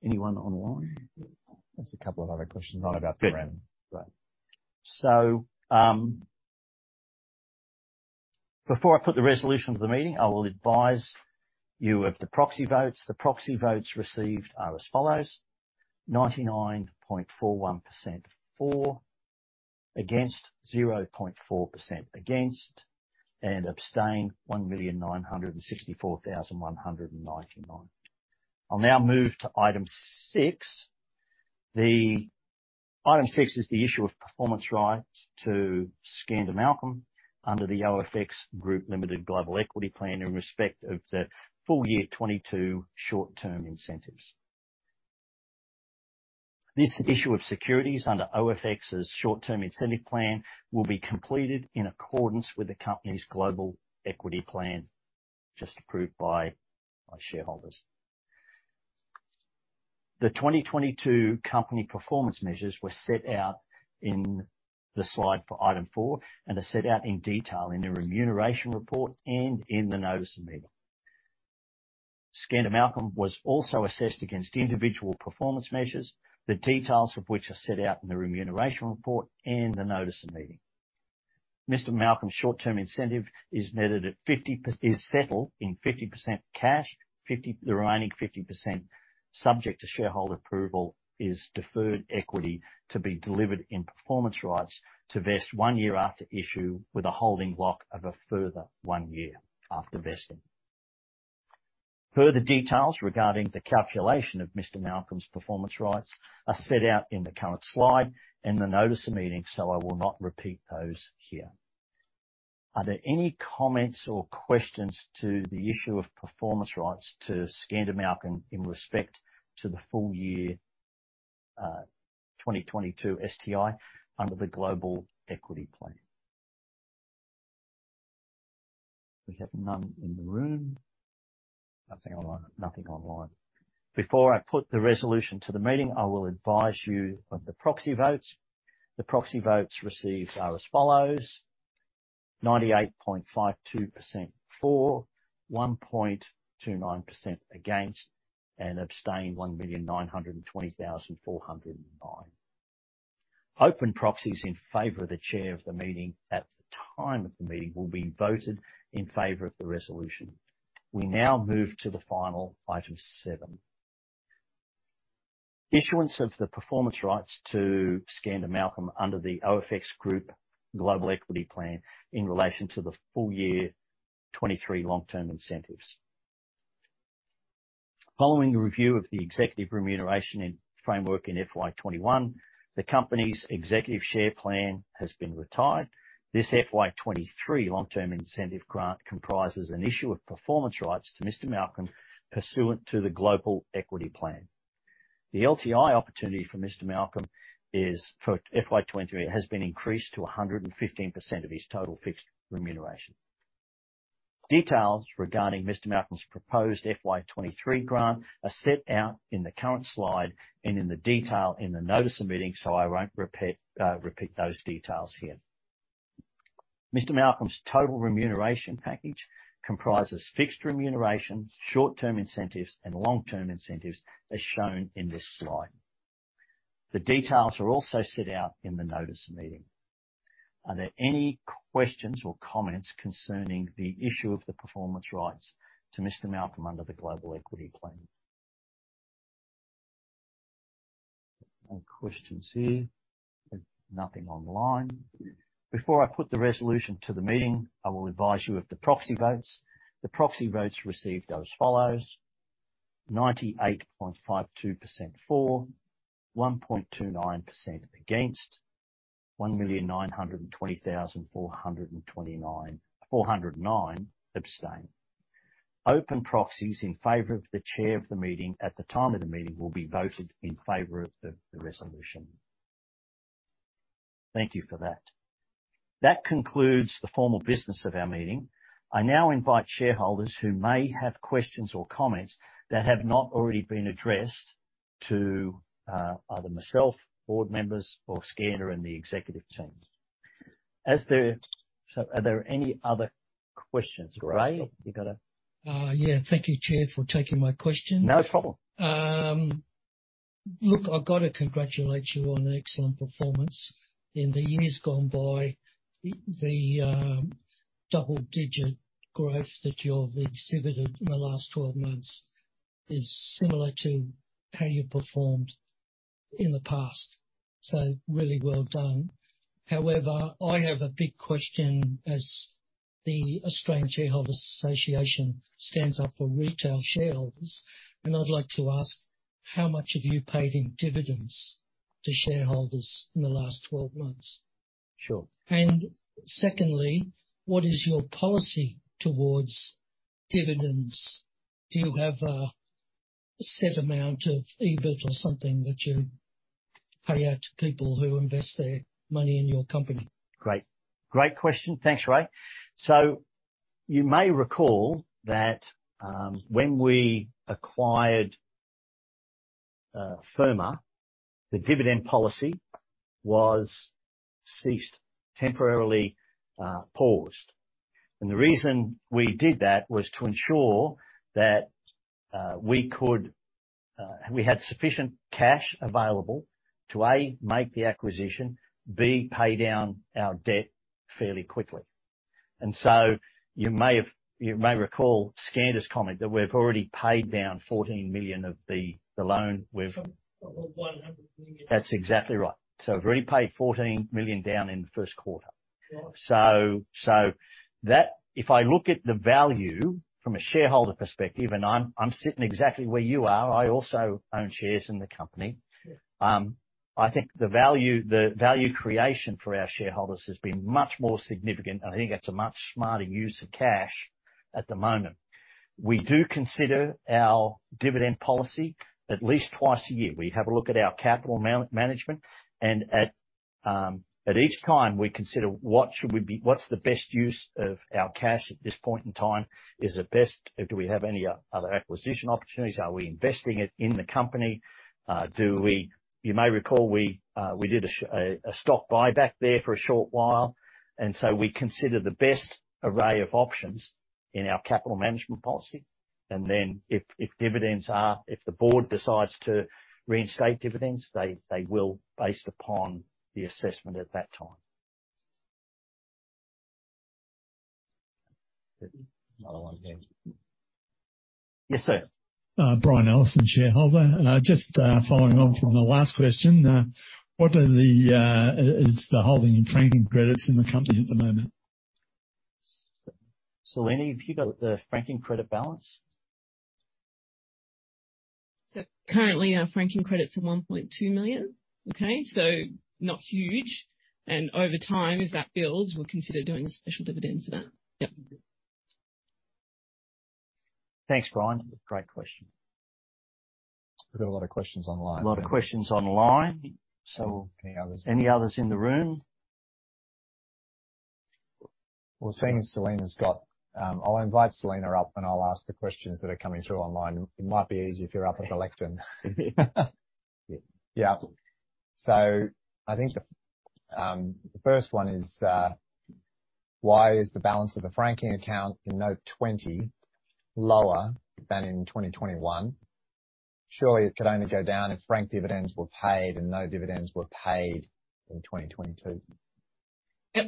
you. Anyone online? There's a couple of other questions, not about the REM. Before I put the resolution to the meeting, I will advise you of the proxy votes. The proxy votes received are as follows: 99.41% for, 0.4% against, and abstain 1,964,199. I'll now move to item six. Item six is the issue of performance rights to Skander Malcolm under the OFX Group Limited Global Equity Plan in respect of the full year 2022 short-term incentives. This issue of securities under OFX's short-term incentive plan will be completed in accordance with the company's global equity plan just approved by our shareholders. The 2022 company performance measures were set out in the slide for item four and are set out in detail in the remuneration report and in the notice of meeting. Skander Malcolm was also assessed against individual performance measures, the details of which are set out in the remuneration report and the notice of meeting. Mr. Malcolm's short-term incentive is settled in 50% cash, the remaining 50% subject to shareholder approval is deferred equity to be delivered in performance rights to vest one year after issue with a holding lock of a further one year after vesting. Further details regarding the calculation of Mr. Malcolm's performance rights are set out in the current slide in the notice of meeting, so I will not repeat those here. Are there any comments or questions to the issue of performance rights to Skander Malcolm in respect to the full year 2022 STI under the Global Equity Plan? We have none in the room. Nothing online. Before I put the resolution to the meeting, I will advise you of the proxy votes. The proxy votes received are as follows: 98.52% for, 1.29% against, and abstain 1,920,409. Open proxies in favor of the chair of the meeting at the time of the meeting will be voted in favor of the resolution. We now move to the final item seven. Issuance of the performance rights to Skander Malcolm under the OFX Group Global Equity Plan in relation to the full year 2023 long-term incentives. Following a review of the executive remuneration and framework in FY 2021, the company's executive share plan has been retired. This FY 2023 long-term incentive grant comprises an issue of performance rights to Mr. Malcolm pursuant to the Global Equity Plan. The LTI opportunity for Mr. Malcolm is, for FY 2023, has been increased to 115% of his total fixed remuneration. Details regarding Mr. Malcolm's proposed FY 2023 grant are set out in the current slide and in the detail in the notice of meeting, so I won't repeat those details here. Mr. Malcolm's total remuneration package comprises fixed remuneration, short-term incentives and long-term incentives as shown in this slide. The details are also set out in the notice of meeting. Are there any questions or comments concerning the issue of the performance rights to Mr. Malcolm under the Global Equity Plan? No questions here. Nothing online. Before I put the resolution to the meeting, I will advise you of the proxy votes. The proxy votes received are as follows: 98.52% for, 1.29% against, 1,920,409 abstain. Open proxies in favor of the chair of the meeting at the time of the meeting will be voted in favor of the resolution. Thank you for that. That concludes the formal business of our meeting. I now invite shareholders who may have questions or comments that have not already been addressed to either myself, board members or Skander and the executive teams. Are there any other questions? Ray, you gotta- Yeah. Thank you, Chair, for taking my question. No problem. Look, I've got to congratulate you on an excellent performance. In the years gone by, the double-digit growth that you have exhibited in the last 12 months is similar to how you performed in the past. Really well done. However, I have a big question as the Australian Shareholders' Association stands up for retail shareholders, and I'd like to ask how much have you paid in dividends to shareholders in the last 12 months? Sure. Secondly, what is your policy toward dividends? Do you have a set amount of EBIT or something that you pay out to people who invest their money in your company? Great. Great question. Thanks, Ray. So you may recall that when we acquired Firma, the dividend policy was ceased temporarily, paused. The reason we did that was to ensure that we had sufficient cash available to, A, make the acquisition, B, pay down our debt fairly quickly. You may recall Skander's comment that we've already paid down 14 million of the loan of the AUD 100 million. That's exactly right. So we've already paid 14 million down in the Q1. Yeah. So that if I look at the value from a shareholder perspective, and I'm sitting exactly where you are, I also own shares in the company. Yeah. I think the value creation for our shareholders has been much more significant, and I think it's a much smarter use of cash at the moment. We do consider our dividend policy at least twice a year. We have a look at our capital management, and at each time we consider what's the best use of our cash at this point in time. Is it best? Do we have any other acquisition opportunities? Are we investing it in the company? You may recall we did a stock buyback there for a short while, and so we consider the best array of options in our capital management policy. Then, if the board decides to reinstate dividends, they will based upon the assessment at that time. There's another one there. Yes, sir. Brian Ellison, shareholder. I just, following on from the last question, what is the holding and franking credits in the company at the moment? Selena, have you got the franking credit balance? Currently our franking credits are 1.2 million. Okay. Not huge. Over time, as that builds, we'll consider doing a special dividend for that. Yep. Thanks, Brian. Great question. We've got a lot of questions online. A lot of questions online. Any others? Any others in the room? Well, seeing as Selena's got, I'll invite Selena up, and I'll ask the questions that are coming through online. It might be easier if you're up at the lectern. Yeah. I think the first one is, why is the balance of the franking account in note 20 lower than in 2021? Surely it could only go down if franked dividends were paid and no dividends were paid in 2022. Yep.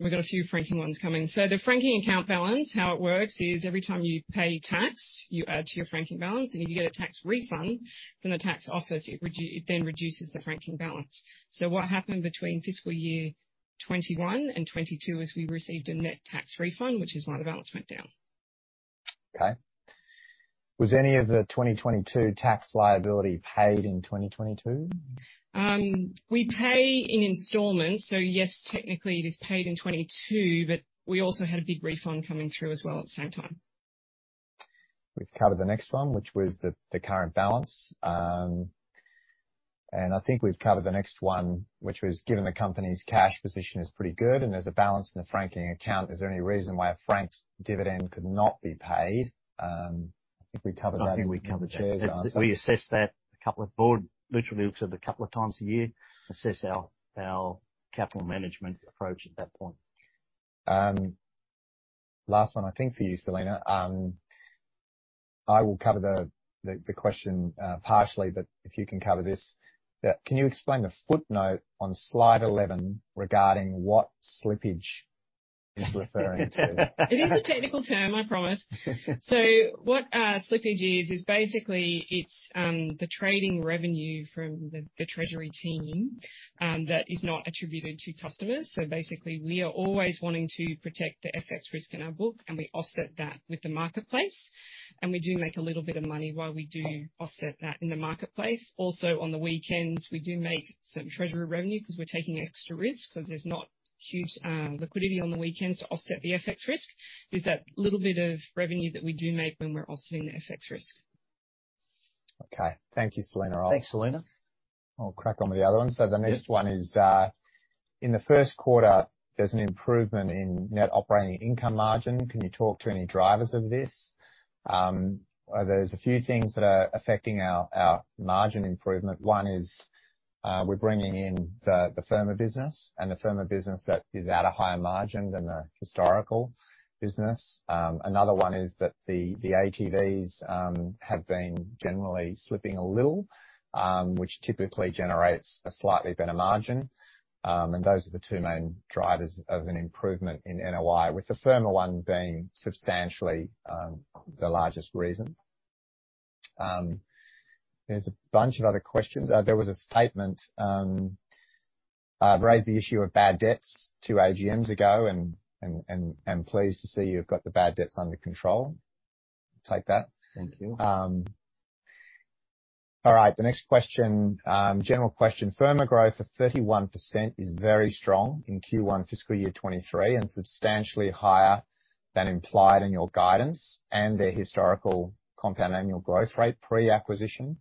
We've got a few franking ones coming. The franking account balance, how it works is every time you pay tax, you add to your franking balance, and if you get a tax refund from the tax office, it then reduces the franking balance. What happened between fiscal year 2021 and 2022 is we received a net tax refund, which is why the balance went down. Okay. Was any of the 2022 tax liability paid in 2022? We pay in installments. Yes, technically it is paid in 2022, but we also had a big refund coming through as well at the same time. We've covered the next one, which was the current balance. I think we've covered the next one, which was given the company's cash position is pretty good and there's a balance in the franking account, is there any reason why a franked dividend could not be paid? I think we covered that. I think we covered that. The chairs are. We assess that. The board literally looks at it a couple of times a year, assess our capital management approach at that point. Last one, I think, for you, Selena. I will cover the question partially, but if you can cover this, can you explain the footnote on slide 11 regarding what slippage is referring to? It is a technical term, I promise. What slippage is is basically it's the trading revenue from the treasury team that is not attributed to customers. Basically, we are always wanting to protect the FX risk in our book, and we offset that with the marketplace. We do make a little bit of money while we do offset that in the marketplace. Also, on the weekends, we do make some treasury revenue because we're taking extra risk because there's not huge liquidity on the weekends to offset the FX risk. It's that little bit of revenue that we do make when we're offsetting the FX risk. Okay. Thank you, Selena. Thanks, Selena. I'll crack on with the other one. Yeah. The next one is in the Q1, there's an improvement in net operating income margin. Can you talk to any drivers of this? There's a few things that are affecting our margin improvement. One is we're bringing in the Firma business and the Firma business that is at a higher margin than the historical business. Another one is that the ATV have been generally slipping a little, which typically generates a slightly better margin. Those are the two main drivers of an improvement in NOI, with the Firma one being substantially the largest reason. There's a bunch of other questions. There was a statement, I've raised the issue of bad debts two AGMs ago and pleased to see you've got the bad debts under control. Take that. Thank you. All right, the next question, general question. Firma growth of 31% is very strong in Q1 fiscal year 2023 and substantially higher than implied in your guidance and their historical compound annual growth rate pre-acquisition.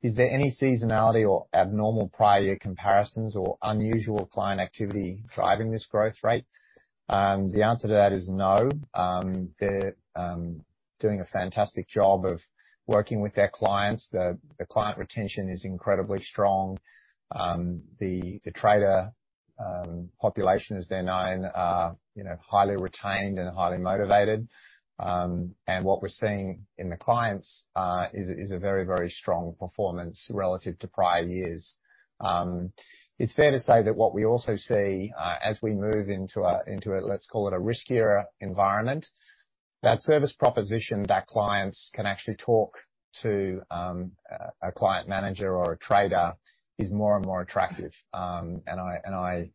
Is there any seasonality or abnormal prior year comparisons or unusual client activity driving this growth rate? The answer to that is no. They're doing a fantastic job of working with their clients. The client retention is incredibly strong. The trader population as they're known, highly retained and highly motivated. What we're seeing in the clients is a very, very strong performance relative to prior years. It's fair to say that what we also see as we move into a let's call it riskier environment, that service proposition that clients can actually talk to a client manager or a trader is more and more attractive. I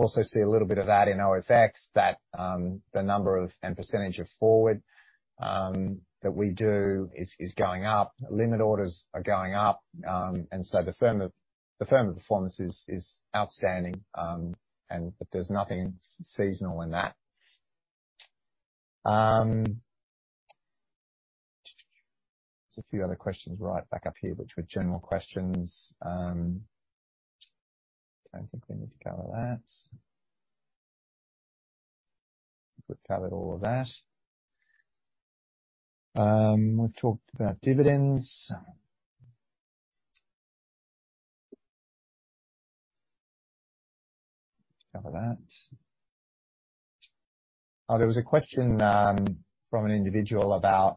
also see a little bit of that in OFX that the number of and percentage of forward that we do is going up. Limit orders are going up. The form of performance is outstanding. But there's nothing seasonal in that. There's a few other questions right back up here which were general questions. Don't think we need to cover that. We've covered all of that. We've talked about dividends. Cover that. Oh, there was a question from an individual about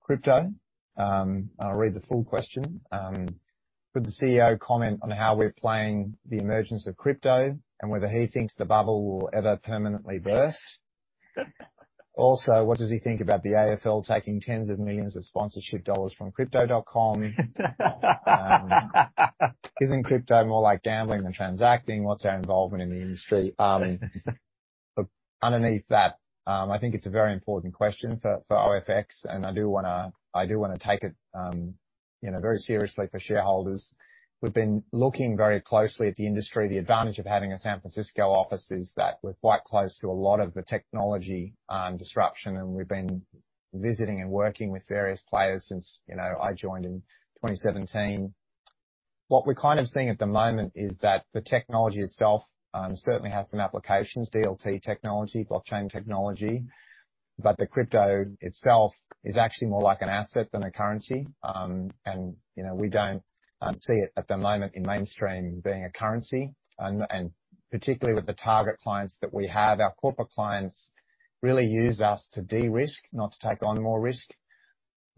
crypto. I'll read the full question. Could the CEO comment on how we're playing the emergence of crypto and whether he thinks the bubble will ever permanently burst? Also, what does he think about the AFL taking AUD tens of millions of sponsorship dollars from Crypto.com? Isn't crypto more like gambling than transacting? What's our involvement in the industry? Underneath that, I think it's a very important question for OFX, and I do wanna take it very seriously for shareholders. We've been looking very closely at the industry. The advantage of having a San Francisco office is that we're quite close to a lot of the technology disruption, and we've been visiting and working with various players since I joined in 2017. What we're kind of seeing at the moment is that the technology itself certainly has some applications, DLT technology, blockchain technology, but the crypto itself is actually more like an asset than a currency. You know, we don't see it at the moment in mainstream being a currency. Particularly with the target clients that we have, our corporate clients really use us to de-risk, not to take on more risk.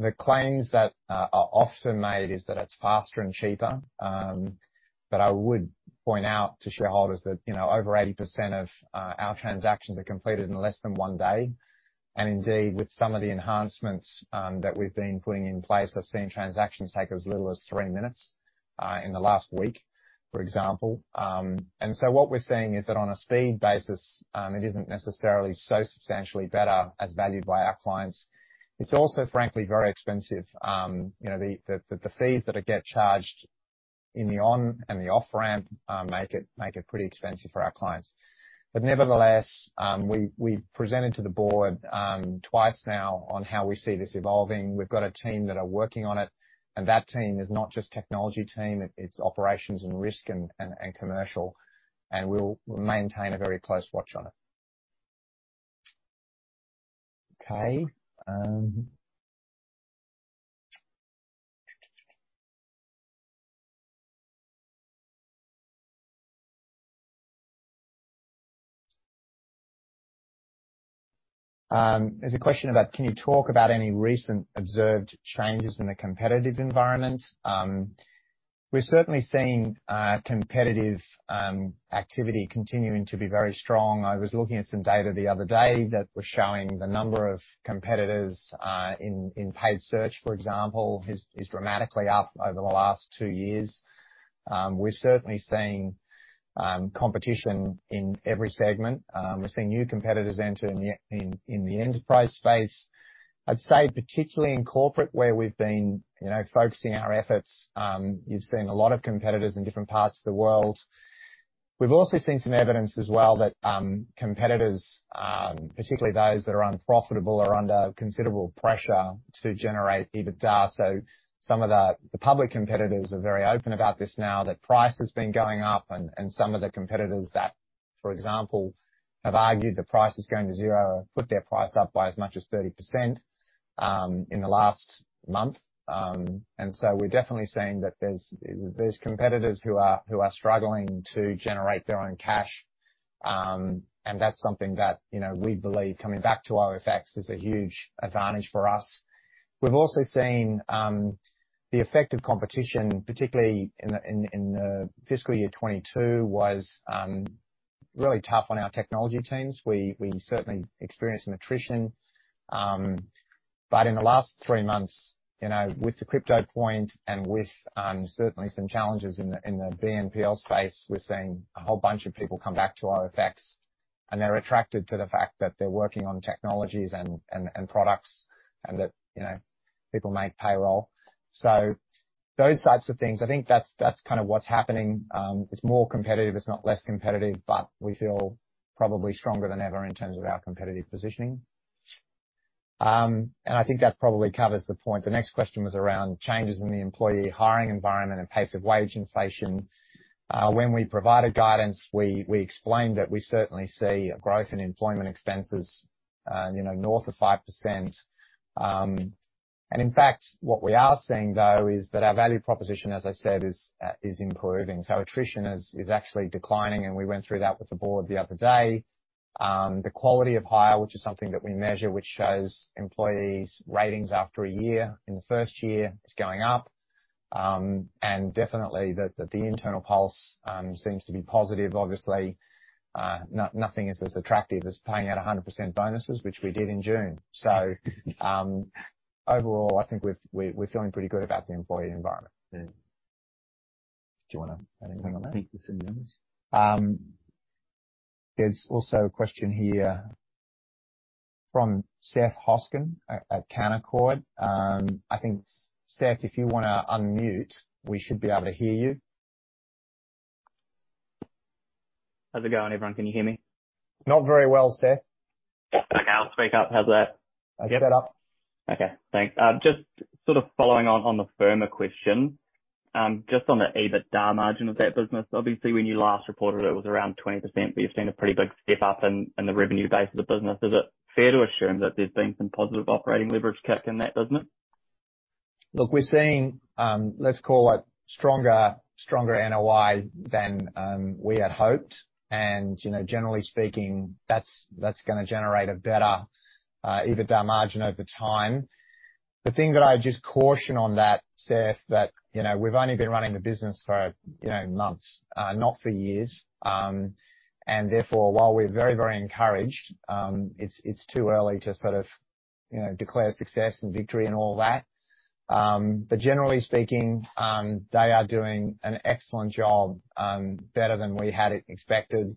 The claims that are often made is that it's faster and cheaper. I would point out to shareholders that, you know, over 80% of our transactions are completed in less than one day. Indeed, with some of the enhancements that we've been putting in place, I've seen transactions take as little as three minutes in the last week, for example. What we're seeing is that on a speed basis, it isn't necessarily so substantially better as valued by our clients. It's also, frankly, very expensive. You know, the fees that are getting charged in the on- and off-ramp make it pretty expensive for our clients. But nevertheless, we presented to the board twice now on how we see this evolving. We've got a team that are working on it, and that team is not just technology team. It's operations and risk and commercial, and we'll maintain a very close watch on it. Okay. There's a question about, can you talk about any recent observed changes in the competitive environment? We're certainly seeing competitive activity continuing to be very strong. I was looking at some data the other day that was showing the number of competitors in paid search, for example, is dramatically up over the last two years. We're certainly seeing competition in every segment. We're seeing new competitors enter in the enterprise space. I'd say particularly in corporate where we've been, you know, focusing our efforts, you've seen a lot of competitors in different parts of the world. We've also seen some evidence as well that competitors, particularly those that are unprofitable, are under considerable pressure to generate EBITDA. Some of the public competitors are very open about this now that price has been going up and some of the competitors that, for example, have argued the price is going to zero have put their price up by as much as 30% in the last month. We're definitely seeing that there's competitors who are struggling to generate their own cash. That's something that you know we believe coming back to OFX is a huge advantage for us. We've also seen the effect of competition, particularly in the fiscal year 2022 was really tough on our technology teams. We certainly experienced some attrition. In the last three months, you know, with the crypto point and with certainly some challenges in the BNPL space, we're seeing a whole bunch of people come back to OFX, and they're attracted to the fact that they're working on technologies and products and that, you know, people make payroll. So those types of things, I think that's kind of what's happening. It's more competitive, it's not less competitive, but we feel probably stronger than ever in terms of our competitive positioning. I think that probably covers the point. The next question was around changes in the employee hiring environment and pace of wage inflation. When we provided guidance, we explained that we certainly see a growth in employment expenses, you know, north of 5%. In fact, what we are seeing though is that our value proposition, as I said, is improving. Attrition is actually declining, and we went through that with the board the other day. The quality of hire, which is something that we measure, which shows employees ratings after a year, in the first year, is going up. Definitely that the internal pulse seems to be positive. Obviously, nothing is as attractive as paying out 100% bonuses, which we did in June. Overall, I think we're feeling pretty good about the employee environment. Mm-hmm. Do you wanna add anything on that? I think the same as. There's also a question here from Seth Hoskin at Canaccord Genuity. I think, Seth, if you wanna unmute, we should be able to hear you. How's it going, everyone? Can you hear me? Not very well, Seth. Okay, I'll speak up. How's that? Okay. That up. Okay, thanks. Just sort of following on the Firma question, just on the EBITDA margin of that business. Obviously, when you last reported, it was around 20%, but you've seen a pretty big step-up in the revenue base of the business. Is it fair to assume that there's been some positive operating leverage kick in that business? Look, we're seeing, let's call it stronger NOI than we had hoped. You know, generally speaking, that's gonna generate a better EBITDA margin over time. The thing that I would just caution on that, Seth, that you know we've only been running the business for you know months not for years. Therefore, while we're very, very encouraged, it's too early to sort of you know declare success and victory and all that. Generally speaking, they are doing an excellent job, better than we had expected.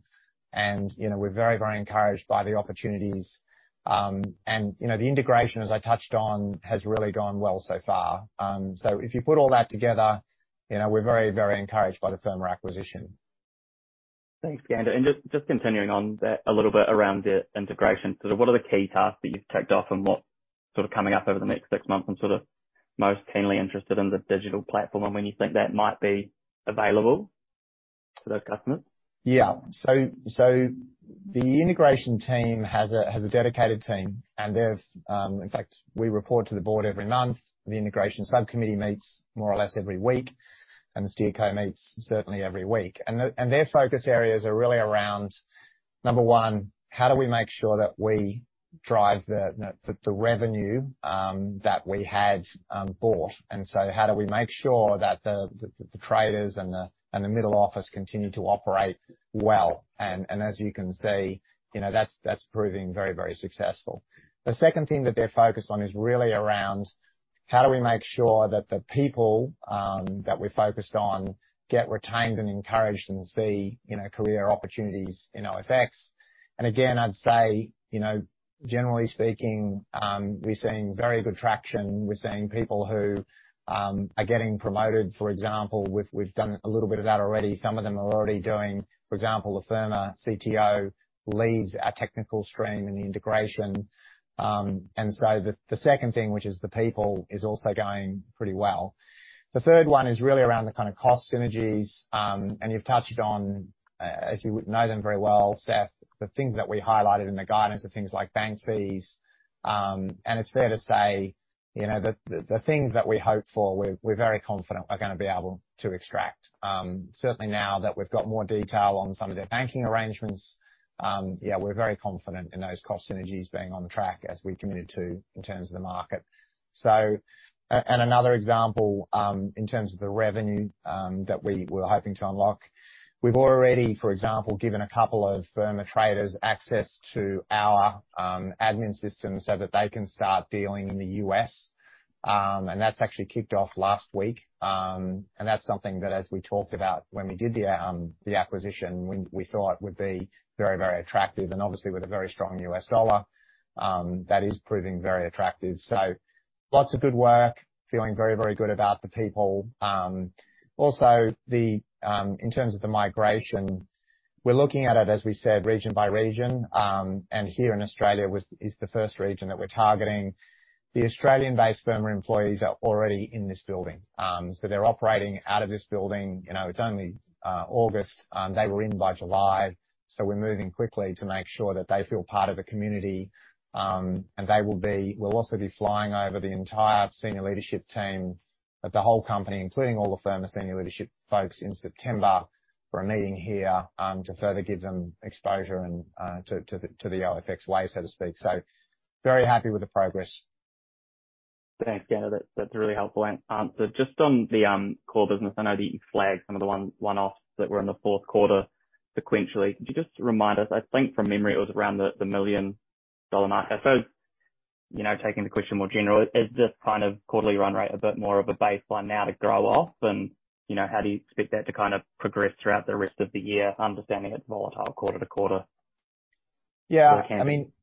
You know, we're very, very encouraged by the opportunities. You know, the integration, as I touched on, has really gone well so far. If you put all that together, you know, we're very, very encouraged by the Firma acquisition. Thanks, Skander. Just continuing on that a little bit around the integration. Sort of what are the key tasks that you've ticked off and what sort of coming up over the next six months? I'm sort of most keenly interested in the digital platform and when you think that might be available to those customers. The integration team has a dedicated team, and in fact, we report to the board every month. The integration subcommittee meets more or less every week, and the steerco meets certainly every week. Their focus areas are really around, number one, how do we make sure that we drive the revenue that we had bought? How do we make sure that the traders and the middle office continue to operate well? As you can see, you know, that's proving very successful. The second thing that they're focused on is really around how do we make sure that the people that we're focused on get retained and encouraged and see, you know, career opportunities in OFX? Again, I'd say, you know, generally speaking, we're seeing very good traction. We're seeing people who are getting promoted. For example, we've done a little bit of that already. Some of them are already doing, for example, the Firma CTO leads our technical stream in the integration. The second thing, which is the people, is also going pretty well. The third one is really around the kinda cost synergies, and you've touched on, as you would know them very well, Seth, the things that we highlighted in the guidance are things like bank fees. It's fair to say, you know, the things that we hope for, we're very confident are gonna be able to extract. Certainly now that we've got more detail on some of their banking arrangements, yeah, we're very confident in those cost synergies being on track as we committed to in terms of the market. Another example, in terms of the revenue that we were hoping to unlock, we've already, for example, given a couple of Firma traders access to our admin system so that they can start dealing in the U.S. That's actually kicked off last week. That's something that, as we talked about when we did the acquisition, we thought would be very, very attractive. Obviously, with a very strong U.S. dollar, that is proving very attractive. Lots of good work. Feeling very, very good about the people. Also, in terms of the migration, we're looking at it, as we said, region by region. Here in Australia is the first region that we're targeting. The Australian-based Firma employees are already in this building. So they're operating out of this building. You know, it's only August. They were in by July. We're moving quickly to make sure that they feel part of the community. We'll also be flying over the entire senior leadership team of the whole company, including all the Firma senior leadership folks, in September for a meeting here, to further give them exposure and to the OFX way, so to speak. Very happy with the progress. Thanks, Skander. That's a really helpful answer. Just on the core business, I know that you flagged some of the one-offs that were in the Q4 sequentially. Could you just remind us, I think from memory it was around the 1 million dollar mark. I suppose, you know, taking the question more general, is this kind of quarterly run rate a bit more of a baseline now to grow off and, you know, how do you expect that to kind of progress throughout the rest of the year, understanding it's volatile quarter to quarter? Yeah. I mean,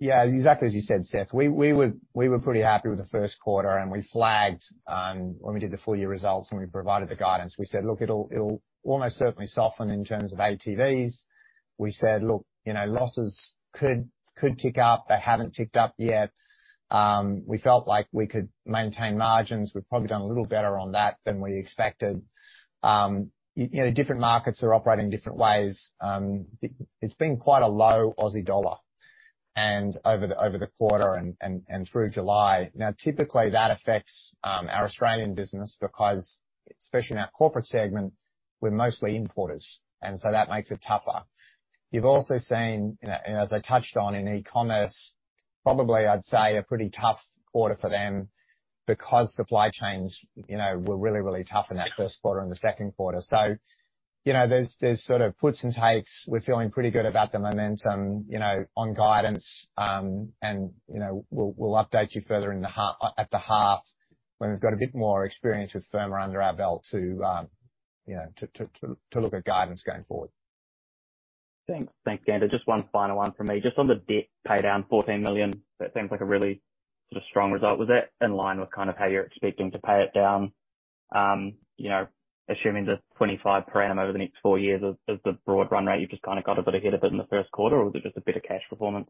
yeah, exactly as you said, Seth. We were pretty happy with the Q1 and we flagged when we did the full year results and we provided the guidance. We said, "Look, it'll almost certainly soften in terms of ATV." We said, "Look, you know, losses could tick up. They haven't ticked up yet." We felt like we could maintain margins. We've probably done a little better on that than we expected. You know, different markets are operating different ways. It's been quite a low Aussie dollar over the quarter and through July. Now, typically, that affects our Australian business because especially in our corporate segment, we're mostly importers, and so that makes it tougher. You've also seen, as I touched on in e-commerce, probably I'd say a pretty tough quarter for them because supply chains, you know, were really, really tough in that Q1 and the Q2. You know, there's sort of puts and takes. We're feeling pretty good about the momentum, you know, on guidance. You know, we'll update you further at the half when we've got a bit more experience with Firma under our belt to look at guidance going forward. Thanks. Thanks, Skander. Just one final one from me. Just on the debt pay down 14 million, that seems like a really sort of strong result. Was that in line with kind of how you're expecting to pay it down? You know, assuming the 25 per annum over the next four years is the broad run rate, you've just kinda got a bit ahead of it in the Q1, or was it just a better cash performance?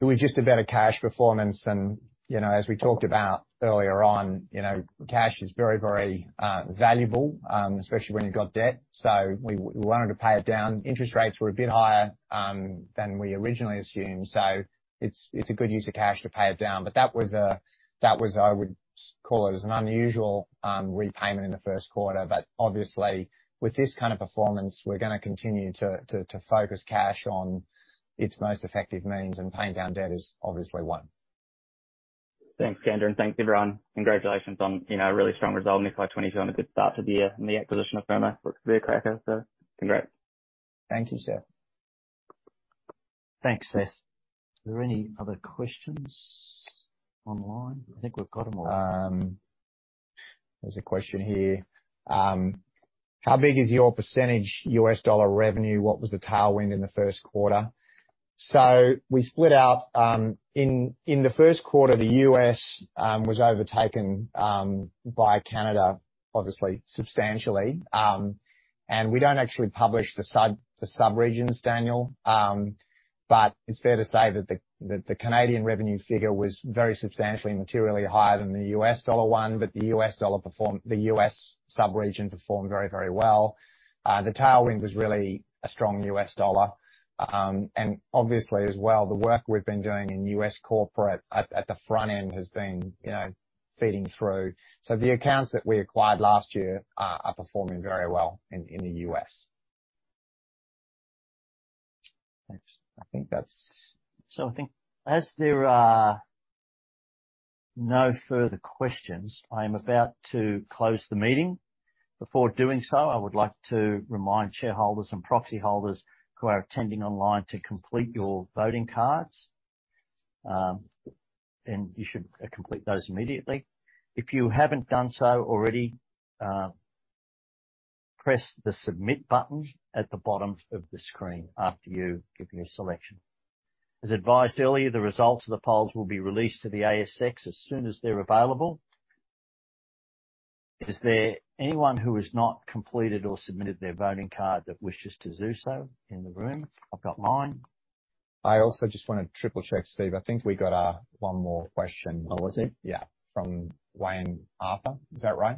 It was just a better cash performance and, you know, as we talked about earlier on, you know, cash is very valuable, especially when you've got debt. We wanted to pay it down. Interest rates were a bit higher than we originally assumed. It's a good use of cash to pay it down. That was, I would call it, an unusual repayment in the Q1. Obviously with this kind of performance, we're gonna continue to focus cash on its most effective means, and paying down debt is obviously one. Thanks, Skander, and thanks everyone. Congratulations on, you know, a really strong result in FY 2022 and a good start to the year, and the acquisition of Firma. Looks to be a cracker. Congrats. Thank you, Seth. Thanks, Seth. Are there any other questions online? I think we've got 'em all. There's a question here. How big is your percentage U.S. dollar revenue? What was the tailwind in the Q1? We split out, in the Q1, the U.S. was overtaken by Canada, obviously substantially. We don't actually publish the sub-regions, Daniel. It's fair to say that the Canadian revenue figure was very substantially materially higher than the U.S. dollar one, but the U.S. sub-region performed very well. The tailwind was really a strong U.S. dollar. Obviously as well, the work we've been doing in U.S. Corporate at the front end has been, you know, feeding through. The accounts that we acquired last year are performing very well in the U.S. Thanks. I think that's. I think as there are no further questions, I'm about to close the meeting. Before doing so, I would like to remind shareholders and proxy holders who are attending online to complete your voting cards. You should complete those immediately. If you haven't done so already, press the Submit button at the bottom of the screen after you give your selection. As advised earlier, the results of the polls will be released to the ASX as soon as they're available. Is there anyone who has not completed or submitted their voting card that wishes to do so in the room? I've got mine. I also just wanna triple-check, Steve. I think we got one more question. Oh, was there? Yeah, from Wayne Arthur. Is that right?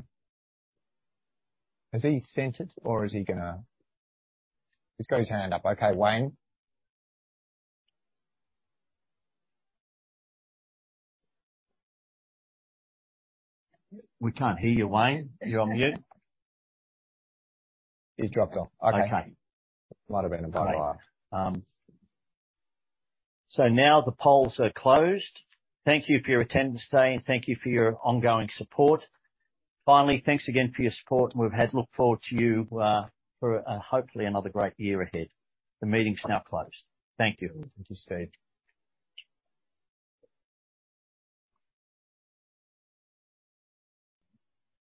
Has he sent it or is he gonna? He's got his hand up. Okay, Wayne? We can't hear you, Wayne. You're on mute. He's dropped off. Okay. Okay. Might have been a bye-bye. Now the polls are closed. Thank you for your attendance today, and thank you for your ongoing support. Finally, thanks again for your support we've had. Look forward to you, for, hopefully another great year ahead. The meeting's now closed. Thank you. Thank you, Steve.